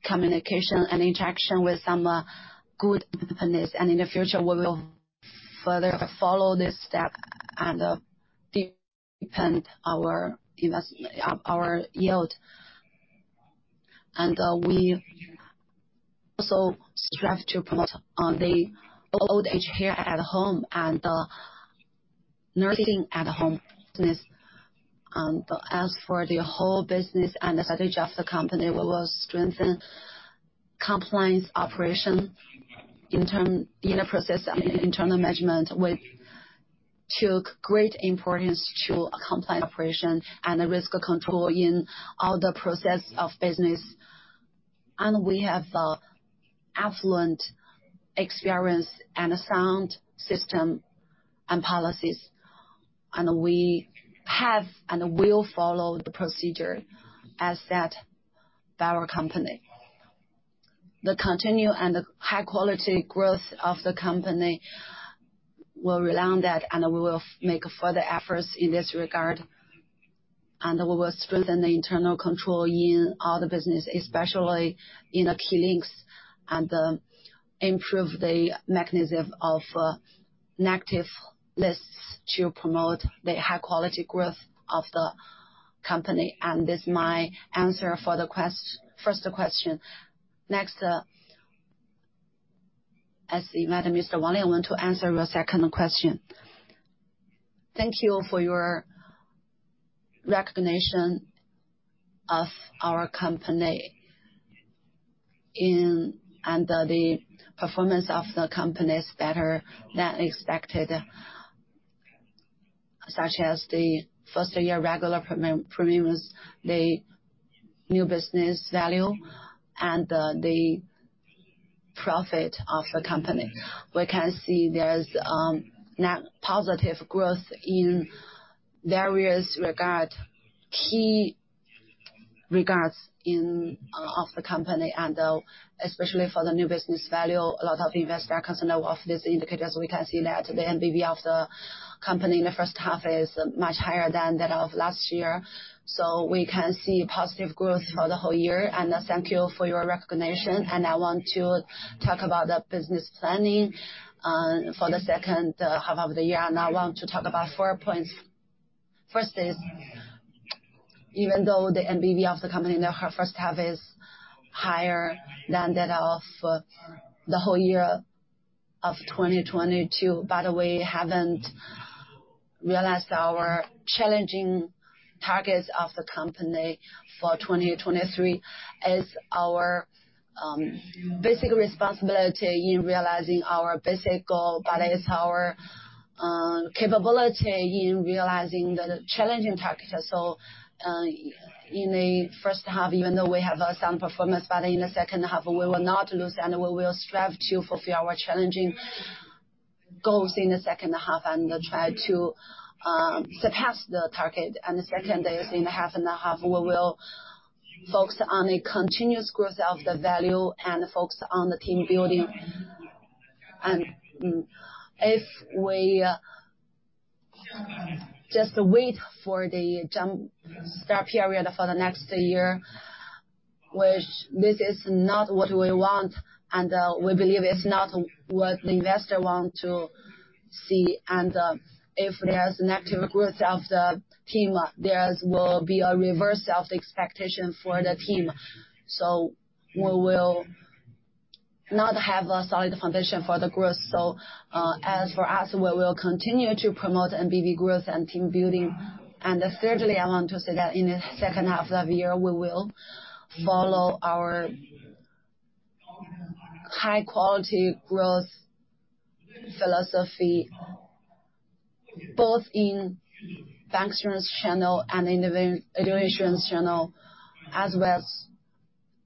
communication and interaction with some good companies. In the future, we will further follow this step and deepen our investment yield. We also strive to promote the old-age care at home and nursing at home business. As for the whole business and the strategy of the company, we will strengthen compliance operation in terms of the process and internal management, which takes great importance to a compliant operation and a risk control in all the process of business. And we have affluent experience and a sound system and policies, and we have and will follow the procedure as set by our company. The continued and the high-quality growth of the company will rely on that, and we will make further efforts in this regard. We will strengthen the internal control in all the business, especially in the key links, and improve the mechanism of negative lists to promote the high quality growth of the company. This is my answer for the first question. Next, as Mr. Lianwen Wang, I want to answer your second question. Thank you for your recognition of our company. And the performance of the company is better than expected, such as the first-year regular premiums, the new business value, and the profit of the company. We can see there's net positive growth in various regard, key regards in of the company, and especially for the new business value, a lot of investors are concerned of this indicator. So we can see that the NBV of the company in the first half is much higher than that of last year. So we can see positive growth for the whole year, and thank you for your recognition. I want to talk about the business planning for the second half of the year, and I want to talk about four points. First is, even though the NBV of the company in the first half is higher than that of the whole year of 2022, but we haven't realized our challenging targets of the company for 2023. As our basic responsibility in realizing our basic goal, but it's our capability in realizing the challenging targets. So, in the first half, even though we have a sound performance, but in the second half, we will not lose, and we will strive to fulfill our challenging goals in the second half and try to surpass the target. And the second is in the half and a half, we will focus on a continuous growth of the value and focus on the team building. And, if we just wait for the jump start period for the next year, which this is not what we want, and we believe it's not what the investor want to see. And, if there's negative growth of the team, there's will be a reverse of expectation for the team. So we will not have a solid foundation for the growth. So, as for us, we will continue to promote NBV growth and team building. And thirdly, I want to say that in the second half of the year, we will follow our high quality growth philosophy, both in Bancassurance channel and in the Individual Insurance channel, as well as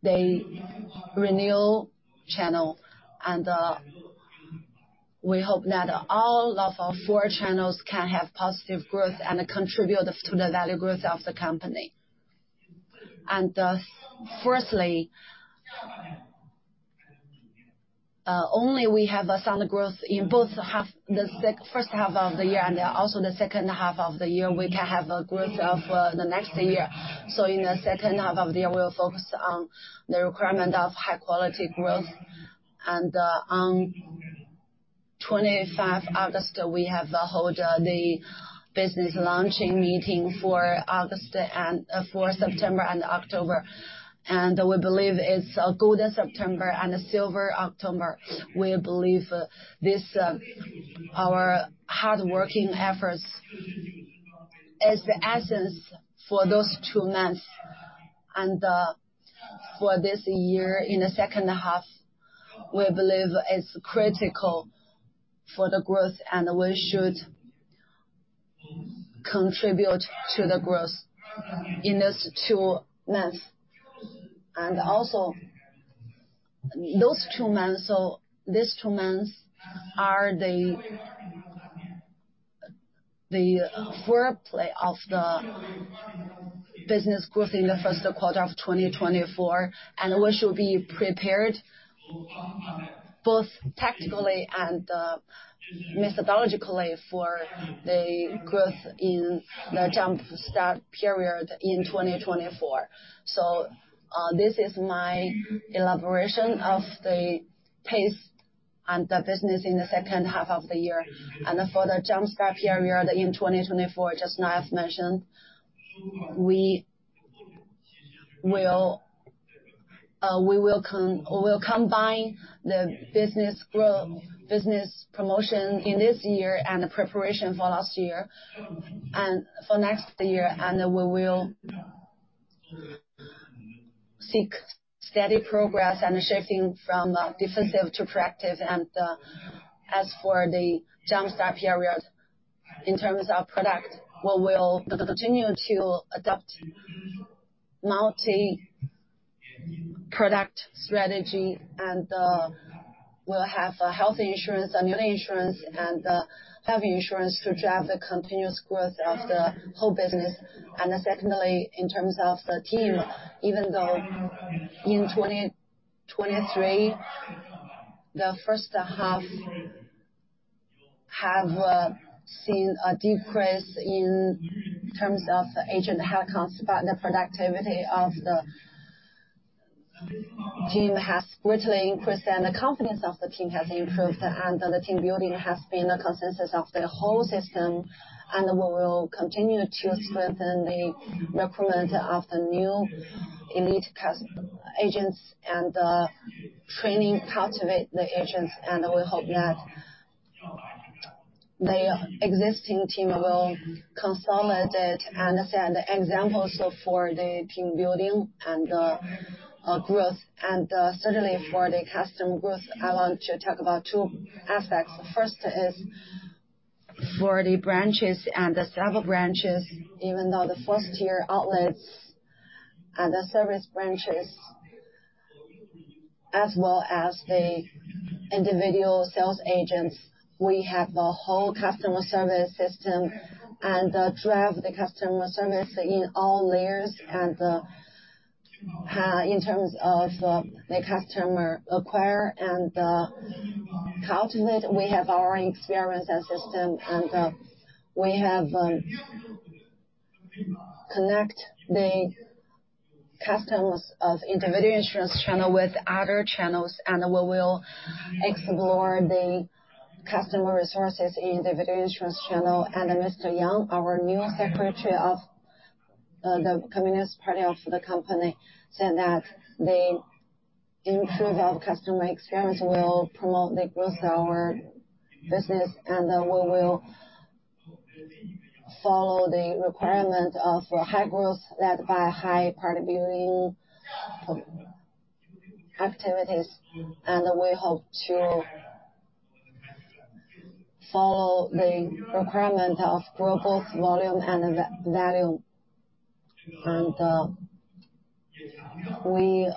the Renewal channel. And, we hope that all of our four channels can have positive growth and contribute to the value growth of the company. And, firstly, only we have a solid growth in the first half of the year and also the second half of the year, we can have a growth of, the next year. So in the second half of the year, we'll focus on the requirement of high quality growth. And, on 25 August, we have held the business launching meeting for August and, for September and October. And we believe it's a golden September and a silver October. We believe this, our hardworking efforts is the essence for those two months. And, for this year, in the second half, we believe it's critical for the growth, and we should contribute to the growth in those two months. And also, those two months, so these two months are the foreplay of the business growth in the first quarter of 2024, and we should be prepared, both tactically and, methodologically, for the growth in the jumpstart period in 2024. So, this is my elaboration of the pace and the business in the second half of the year. And for the jumpstart period in 2024, just now I've mentioned, we will, we will combine the business growth, business promotion in this year and the preparation for last year and for next year. We will seek steady progress and shifting from defensive to proactive. And as for the jumpstart periods, in terms of product, we will continue to adopt multi-product strategy, and we'll have a health insurance, and new insurance, and heavy insurance to drive the continuous growth of the whole business. And secondly, in terms of the team, even though in 2023, the first half have seen a decrease in terms of agent headcounts, but the productivity of the team has greatly increased, and the confidence of the team has improved, and the team building has been a consensus of the whole system. And we will continue to strengthen the recruitment of the new elite agents and training, cultivate the agents. And we hope that the existing team will consolidate and set the examples for the team building and growth. Certainly for the customer growth, I want to talk about two aspects. The first is for the branches and the several branches, even though the first-tier outlets and the service branches, as well as the individual sales agents, we have a whole customer service system and drive the customer service in all layers and in terms of the customer acquire and cultivate, we have our experience and system, and we have connect the customers of Individual Insurance channel with other channels, and we will explore the customer resources in Individual Insurance channel. Mr. Yang, our new secretary of the Communist Party of the company, said that the improve of customer experience will promote the growth of our business, and we will follow the requirement of a high growth led by high party building. Activities, and we hope to follow the requirement of global volume and value. And we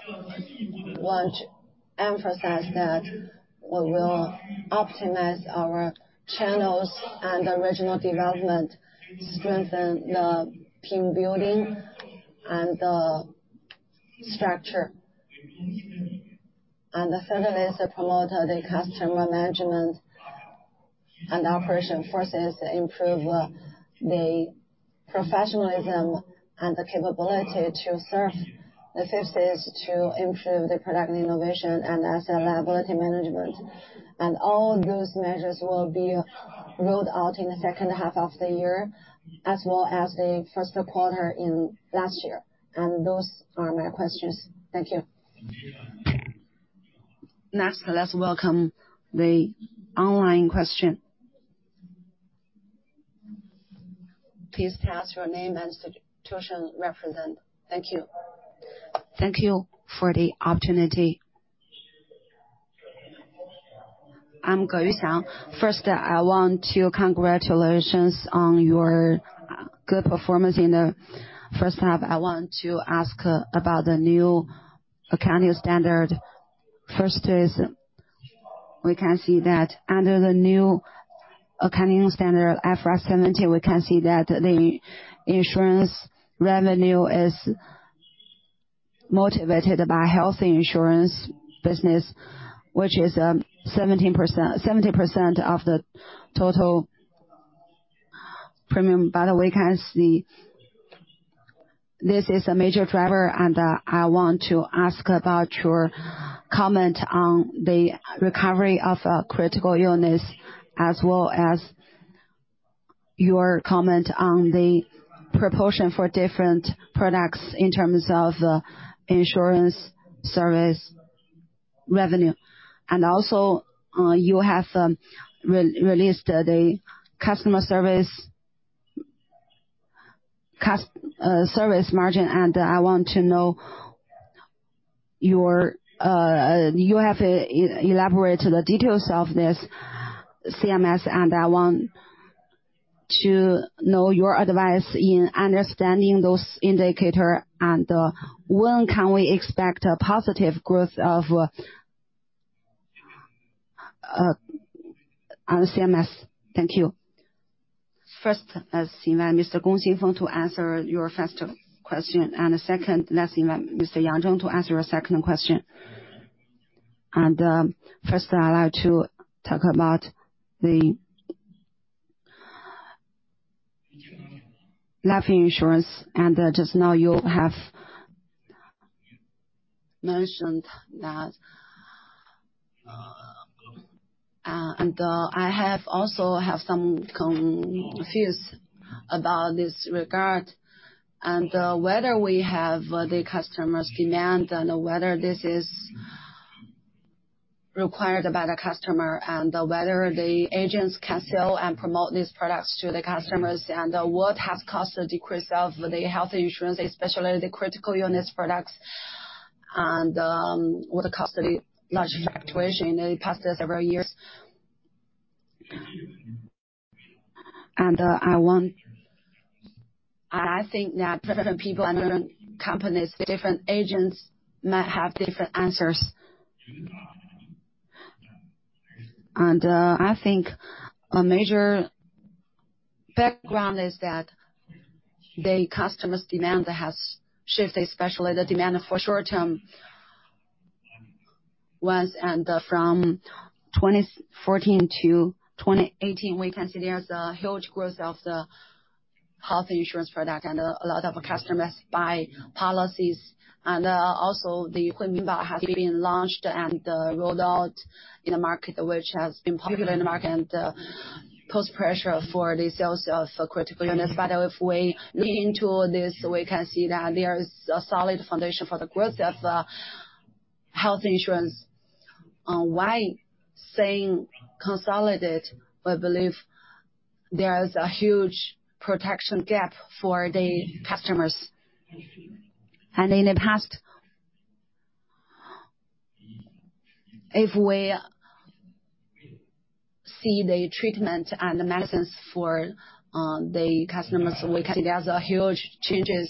want to emphasize that we will optimize our channels and original development, strengthen the team building and the structure. And further is to promote the customer management and operation forces to improve the professionalism and the capability to serve. The fifth is to improve the product innovation and asset liability management. And all those measures will be rolled out in the second half of the year, as well as the first quarter in last year. And those are my questions. Thank you. Next, let's welcome the online question. Please state your name and institution represent. Thank you. Thank you for the opportunity. I'm Gaoyuan Xiang. First, I want to congratulations on your good performance in the first half. I want to ask about the new accounting standard. First is, we can see that under the new accounting standard, IFRS 17, we can see that the insurance revenue is motivated by health insurance business, which is 17%-70% of the total premium. By the way, we can see this is a major driver, and I want to ask about your comment on the recovery of critical illness, as well as your comment on the proportion for different products in terms of insurance service revenue. And also, you have re-released the customer service margin, and I want to know your. You have to elaborate the details of this CSM, and I want to know your advice in understanding those indicators, and when can we expect a positive growth on CSM? Thank you. First, let's invite Mr. Gong Xingfeng to answer your first question, and second, let's invite Mr. Yang Zheng to answer your second question. First, I'd like to talk about the life insurance, and just now you have mentioned that. I also have some confusion about this regard, and whether we have the customer's demand and whether this is required by the customer, and whether the agents can sell and promote these products to the customers, and what has caused the decrease of the health insurance, especially the critical illness products, and what caused the large fluctuation in the past several years? I think that different people and companies with different agents might have different answers. I think a major background is that the customer's demand has shifted, especially the demand for short-term ones, and from 2014 to 2018, we can see there's a huge growth of the health insurance product, and a lot of customers buy policies. Also, the Huiminbao has been launched and rolled out in a market which has been popular in the market, and puts pressure for the sales of critical illness. By the way, looking into this, we can see that there is a solid foundation for the growth of health insurance. Why staying consolidated? We believe there is a huge protection gap for the customers. In the past, if we see the treatment and the medicines for the customers, we can there's a huge changes.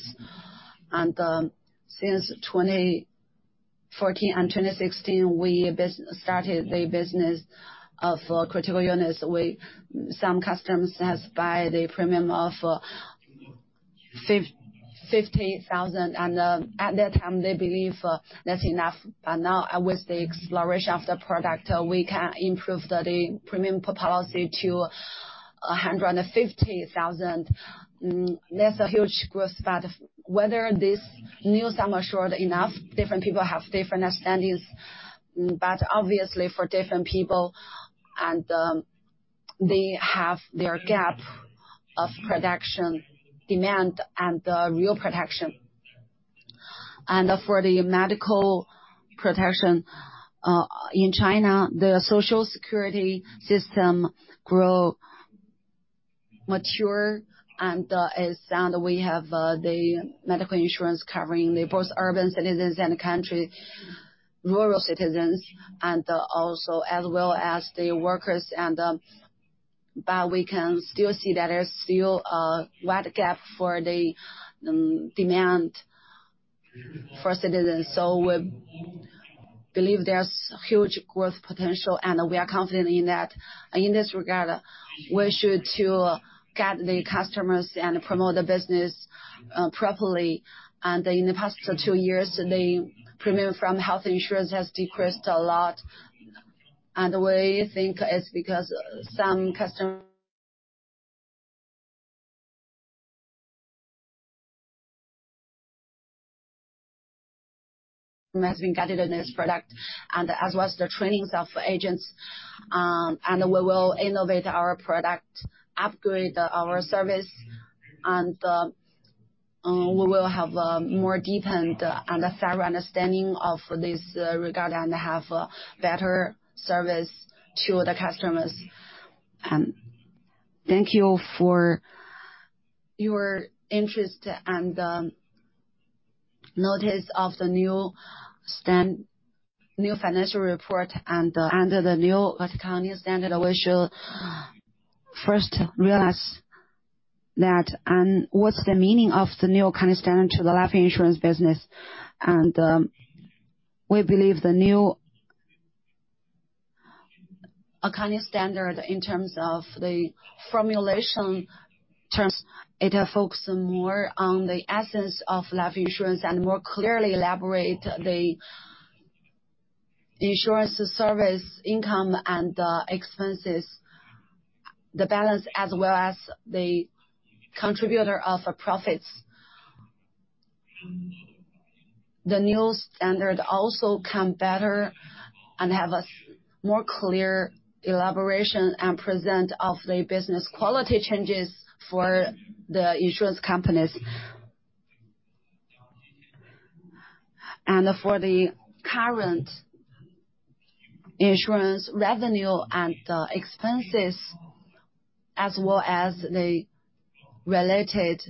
Since 2014 and 2016, we started the business of critical illness. Some customers has buy the premium of 50,000, and at that time, they believe that's enough. But now, with the exploration of the product, we can improve the premium per policy to 150,000. There's a huge growth, but whether this new sum are short enough, different people have different understandings. But obviously, for different people and they have their gap of production, demand, and real protection. And for the medical protection in China, the social security system grow mature, and as we have the medical insurance covering both urban citizens and country rural citizens, and also as well as the workers and, but we can still see that there's still a wide gap for the demand for citizens. So we believe there's huge growth potential, and we are confident in that. In this regard, we should to get the customers and promote the business, properly. And in the past two years, the premium from health insurance has decreased a lot. And we think it's because some customers have been guided in this product and as well as the trainings of agents. And we will innovate our product, upgrade our service, and we will have a more deep and a thorough understanding of this regard, and have a better service to the customers. Thank you for your interest and notice of the new financial report and, under the new accounting standard, we should first realize that, and what's the meaning of the new accounting standard to the life insurance business. We believe the new accounting standard in terms of the formulation terms, it has focused more on the essence of life insurance and more clearly elaborate the insurance service income and expenses, the balance as well as the contributor of profits. The new standard also come better and have a more clear elaboration and present of the business quality changes for the insurance companies. And for the current insurance revenue and expenses, as well as the related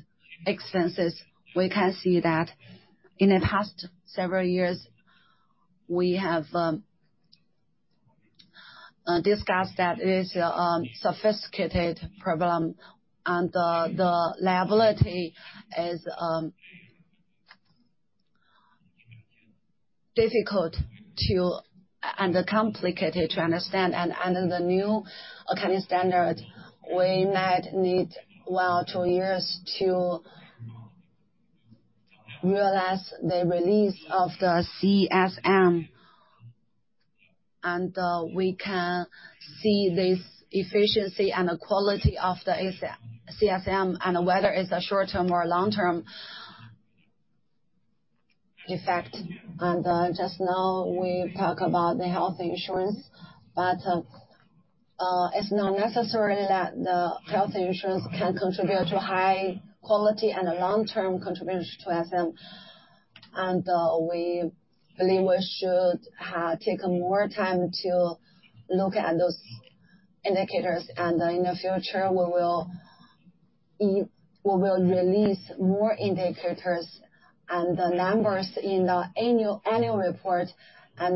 expenses, we can see that in the past several years, we have discussed that it is a sophisticated problem, and the liability is difficult to... And complicated to understand. And in the new accounting standard, we might need one or two years to realize the release of the CSM, and we can see this efficiency and the quality of the CSM, and whether it's a short-term or a long-term effect. And just now, we talk about the health insurance, but it's not necessary that the health insurance can contribute to high quality and a long-term contribution to CSM. And we believe we should take more time to look at those indicators. In the future, we will release more indicators and the numbers in the Annual Report.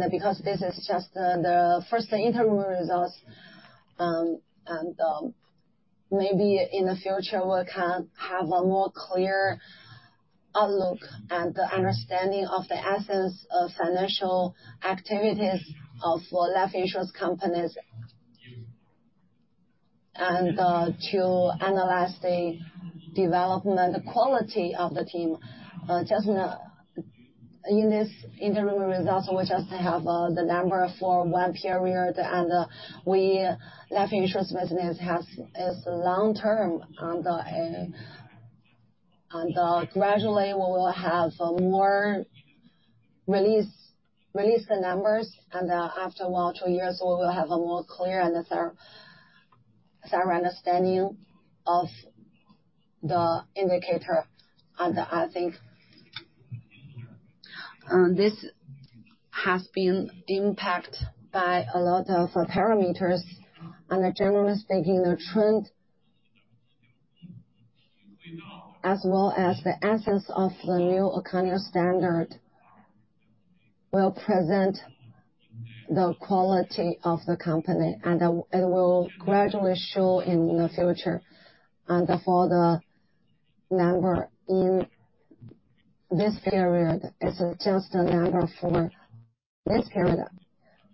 Because this is just the first interim results, maybe in the future, we can have a more clear outlook and the understanding of the essence of financial activities of life insurance companies. And to analyze the development quality of the team, just in this interim results, we just have the number for one period, and we life insurance business is long term, and gradually, we will have a more release the numbers, and after one or two years, we will have a more clear and a thorough understanding of the indicator. I think this has been impacted by a lot of parameters, and generally speaking, the trend, as well as the essence of the new accounting standard, will present the quality of the company, and it will gradually show in the future. For the number in this period, it's just a number for this period;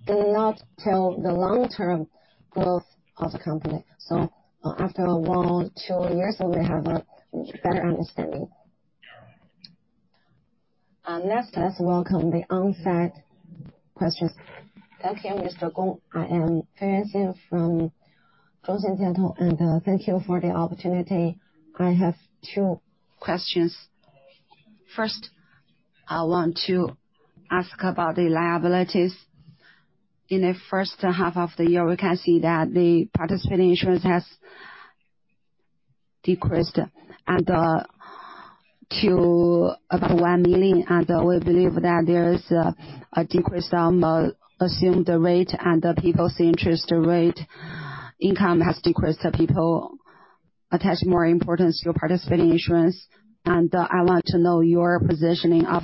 do not tell the long-term growth of the company. So after one or two years, we will have a better understanding. Let us welcome the on-site questions. Thank you, Mr. Gong. I am Francis from Rosen Centre, and thank you for the opportunity. I have two questions. First, I want to ask about the liabilities. In the first half of the year, we can see that the Participating insurance has decreased to above 1 million, and we believe that there is a decrease on the assumed rate and the people's interest rate, income has decreased, so people attach more importance to Participating insurance. And I want to know your positioning of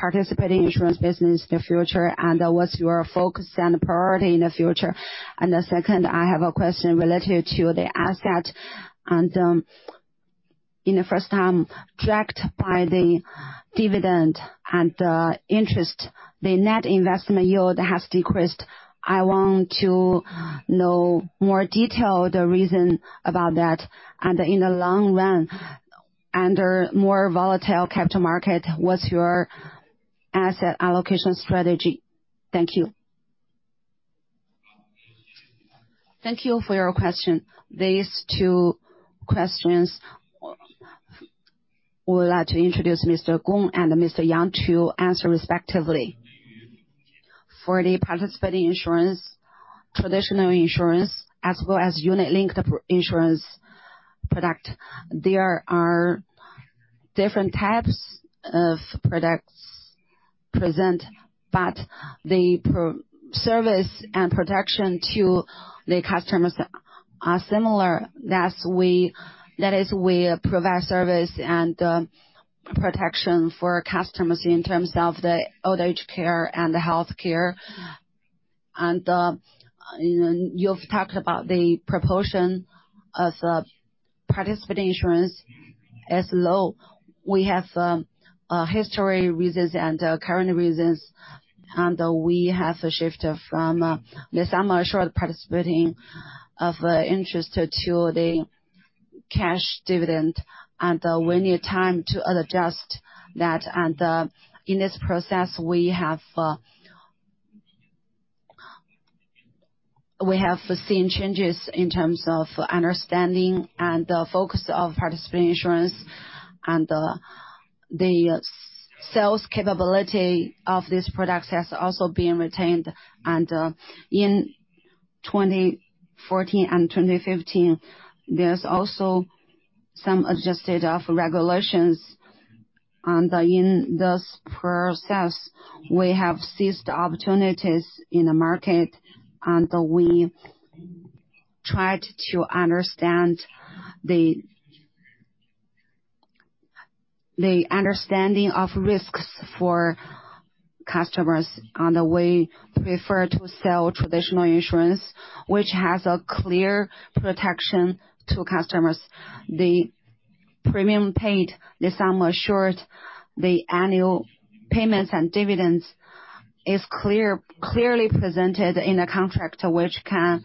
Participating insurance business in the future, and what's your focus and priority in the future? And the second, I have a question related to the asset, and in the first time, dragged by the dividend and interest, the net investment yield has decreased. I want to know more detail, the reason about that, and in the long run, under more volatile capital market, what's your asset allocation strategy? Thank you. Thank you for your question. These two questions, we would like to introduce Mr. Gong and Mr. Yang to answer respectively. For the Participating insurance, Traditional insurance, as well as unit-linked insurance product, there are different types of products present, but the provided service and protection to the customers are similar. Thus, that is, we provide service and protection for customers in terms of the old age care and the healthcare. And you've talked about the proportion of Participating insurance is low. We have a history reasons and current reasons, and we have a shift from the sum assured participating of interest to the cash dividend, and we need time to adjust that. In this process, we have seen changes in terms of understanding and the focus of Participating insurance, and the sales capability of this product has also been retained. In 2014 and 2015, there's also some adjustments to regulations, and in this process, we have seized opportunities in the market, and we've tried to understand the understanding of risks for customers, and we prefer to sell Traditional insurance, which has a clear protection to customers. The premium paid, the sum assured, the annual payments and dividends is clearly presented in a contract, which can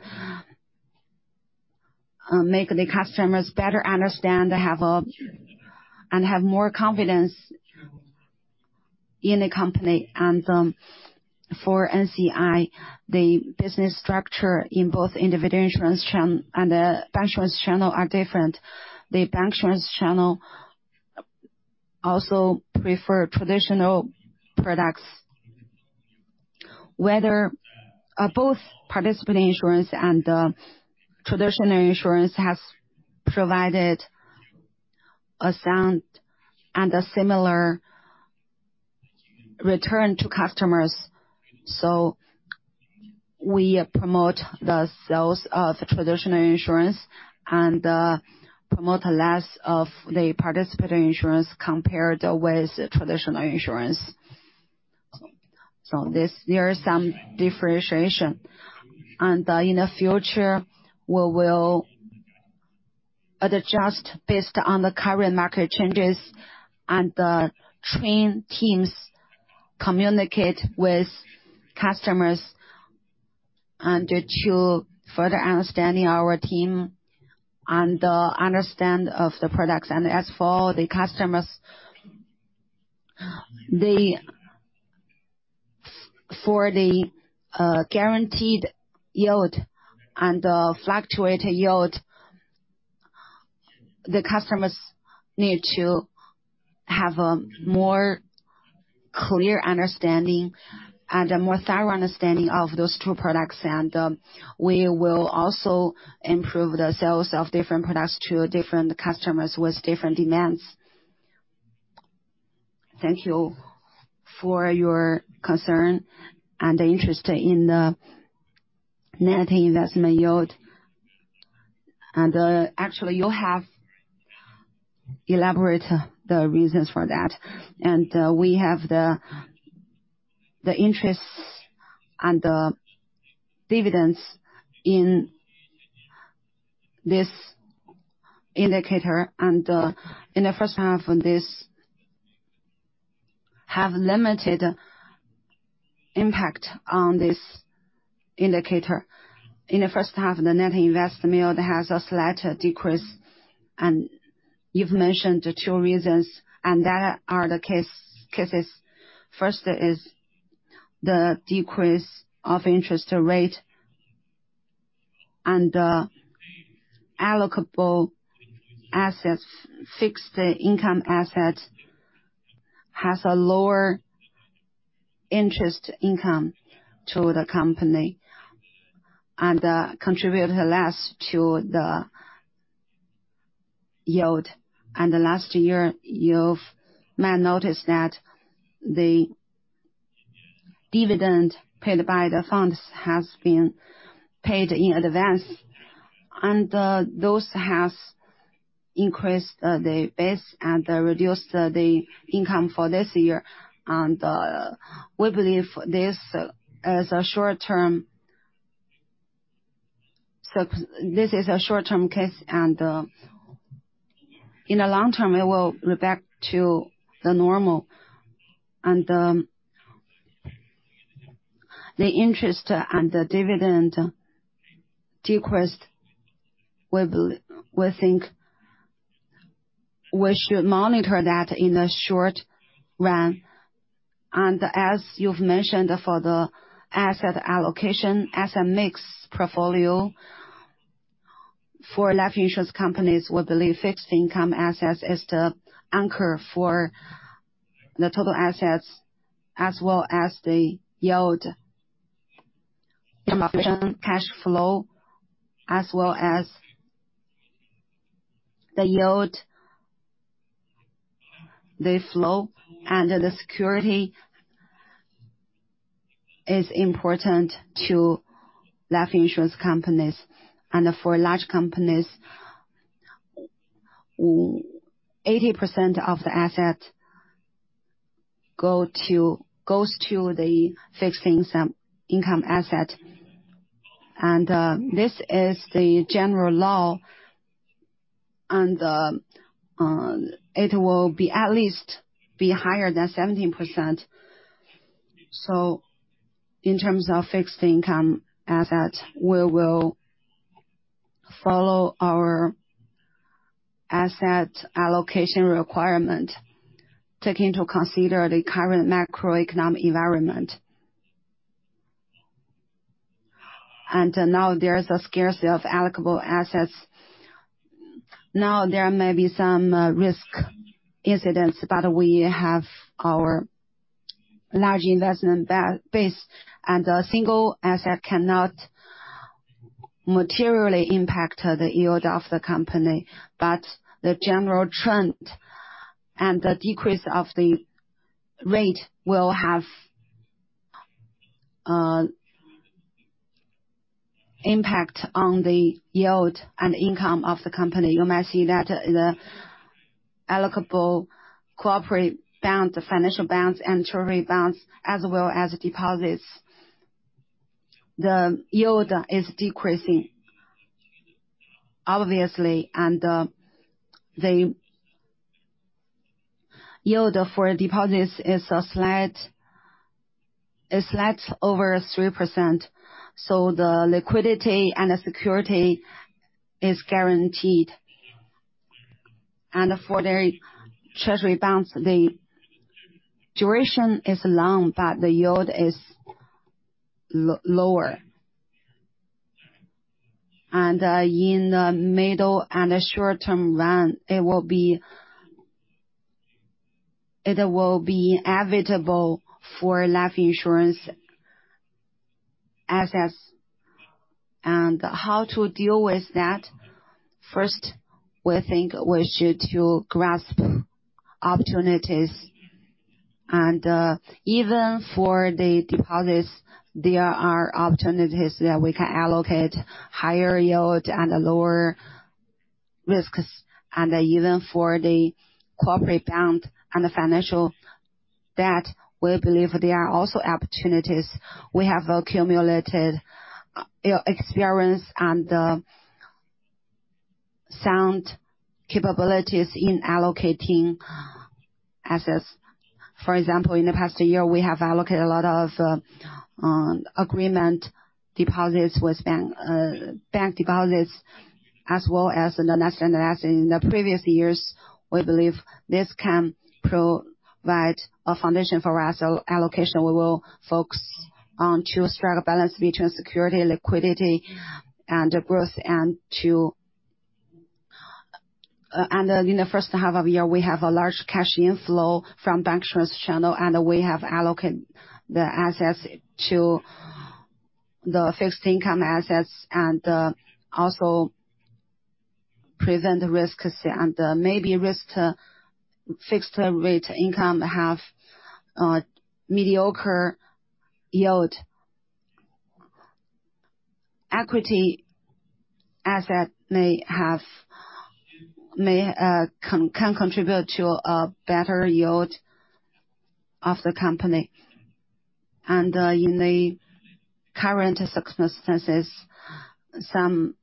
make the customers better understand and have more confidence in the company. For NCI, the business structure in both Individual Insurance channel and the Bancassurance channel are different. The Bancassurance channel also prefer traditional products. Whether both Participating insurance and Traditional insurance has provided a sound and a similar return to customers. So we promote the sales of Traditional insurance and promote less of the Participating insurance compared with Traditional insurance. So this, there is some differentiation. In the future, we will adjust based on the current market changes and train teams, communicate with customers, and to further understanding our team and understand of the products. As for the customers, for the guaranteed yield and the fluctuated yield, the customers need to have a more clear understanding and a more thorough understanding of those two products. We will also improve the sales of different products to different customers with different demands. Thank you for your concern and interest in the net investment yield. Actually, you have elaborate the reasons for that. We have the interests and the dividends in this indicator, and in the first half of this have limited impact on this indicator. In the first half, the net investment yield has a slight decrease, and you've mentioned the two reasons, and that are the cases. First, is the decrease of interest rate and allocable assets. Fixed income assets has a lower interest income to the company, and contributed less to the yield. And, the last year, you've may noticed that the dividend paid by the funds has been paid in advance, and those has increased the base and reduced the income for this year. And, we believe this as a short-term, so this is a short-term case, and in the long term, it will go back to the normal. The interest and the dividend decrease, we, we think we should monitor that in the short run. As you've mentioned, for the asset allocation, as a mixed portfolio for life insurance companies, we believe fixed income assets is the anchor for the total assets, as well as the yield, cash flow, as well as the yield, the flow, and the security is important to life insurance companies. For large companies, 80% of the assets go to, goes to the fixed income asset. This is the general law, and, it will be at least be higher than 17%. In terms of fixed income assets, we will follow our asset allocation requirement, taking into consider the current macroeconomic environment. And now there is a scarcity of allocable assets. Now, there may be some risk incidents, but we have our large investment base, and a single asset cannot materially impact the yield of the company. But the general trend and the decrease of the rate will have impact on the yield and income of the company. You may see that the allocable corporate bonds, the financial bonds, and treasury bonds, as well as deposits, the yield is decreasing, obviously, and the yield for deposits is a slight over 3%, so the liquidity and the security is guaranteed. And for the treasury bonds, the duration is long, but the yield is lower. And in the middle and the short-term run, it will be inevitable for life insurance assets. And how to deal with that? First, we think we should to grasp opportunities. Even for the deposits, there are opportunities that we can allocate higher yield and lower risks. Even for the corporate bond and the financial debt, we believe there are also opportunities. We have accumulated experience and sound capabilities in allocating assets. For example, in the past year, we have allocated a lot of agreement deposits with bank, bank deposits, as well as in the last and last, in the previous years. We believe this can provide a foundation for us. So allocation, we will focus on to strike a balance between security, liquidity and growth, and in the first half of the year, we have a large cash inflow from bank trust channel, and we have allocated the assets to the fixed income assets, and also prevent the risks and maybe risk to fixed rate income have a mediocre yield. Equity asset may have, may, can contribute to a better yield of the company. And in the current circumstances, some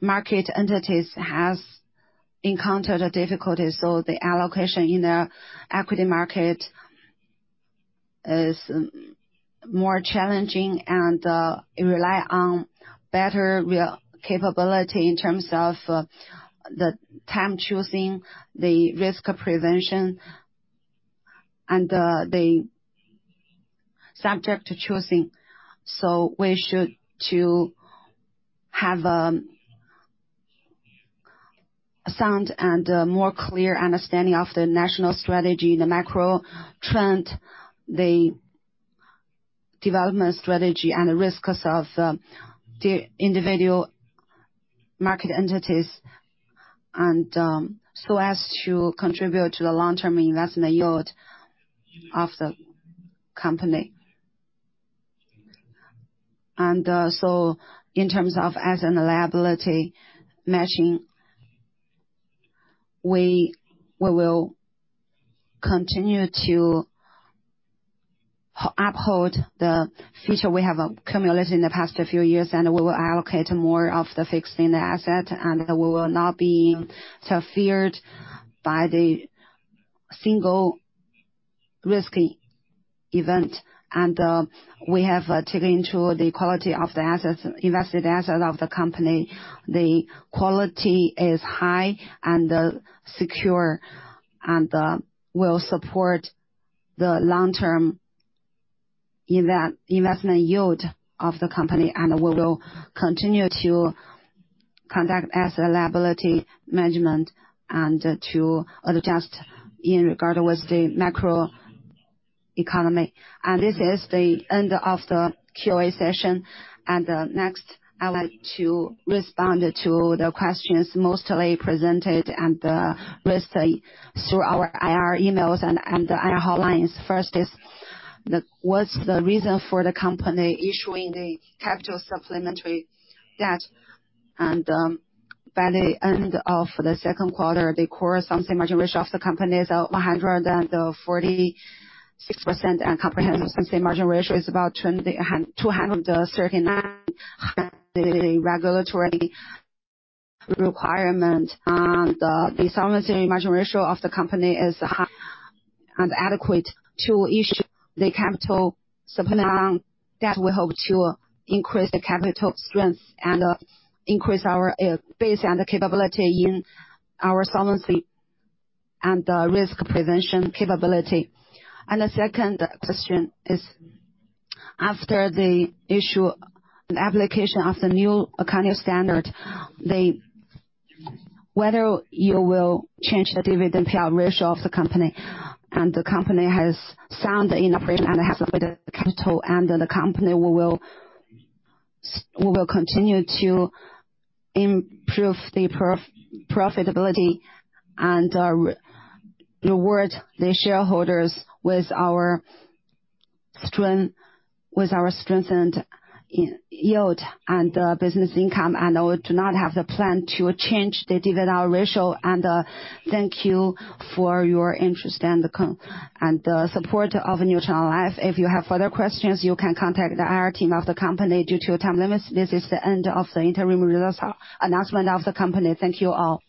market entities has encountered a difficulty, so the allocation in the equity market is more challenging, and it rely on better real capability in terms of the time choosing, the risk prevention and the subject to choosing. So we should to have a sound and more clear understanding of the national strategy, the macro trend, the development strategy, and the risks of the individual market entities, and so as to contribute to the long-term investment yield of the company. So in terms of asset-liability matching, we will continue to uphold the feature we have accumulated in the past few years, and we will allocate more of the fixed asset, and we will not be so feared by the single risky event. We have taken into the quality of the assets, invested asset of the company. The quality is high and secure, and will support the long-term investment yield of the company, and we will continue to conduct asset liability management and to adjust in regard with the macro economy. This is the end of the QA session. Next, I'd like to respond to the questions mostly presented and listed through our IR emails and the IR hotlines. First is the, what's the reason for the company issuing the capital supplementary debt? By the end of the second quarter, the core solvency margin ratio of the company is 146%, and comprehensive margin ratio is about 2,239, the regulatory requirement. The solvency margin ratio of the company is high and adequate to issue the capital supplement debt. We hope to increase the capital strength and increase our base and the capability in our solvency and risk prevention capability. The second question is, after the issue and application of the new accounting standard, whether you will change the dividend payout ratio of the company? The company has sound innovation, and it has a better capital, and the company will—we will continue to improve the profitability and reward the shareholders with our strength, with our strengthened income yield and business income. We do not have the plan to change the dividend ratio. Thank you for your interest and the support of New China Life. If you have further questions, you can contact the IR team of the company. Due to time limits, this is the end of the Interim Results Announcement of the company. Thank you, all!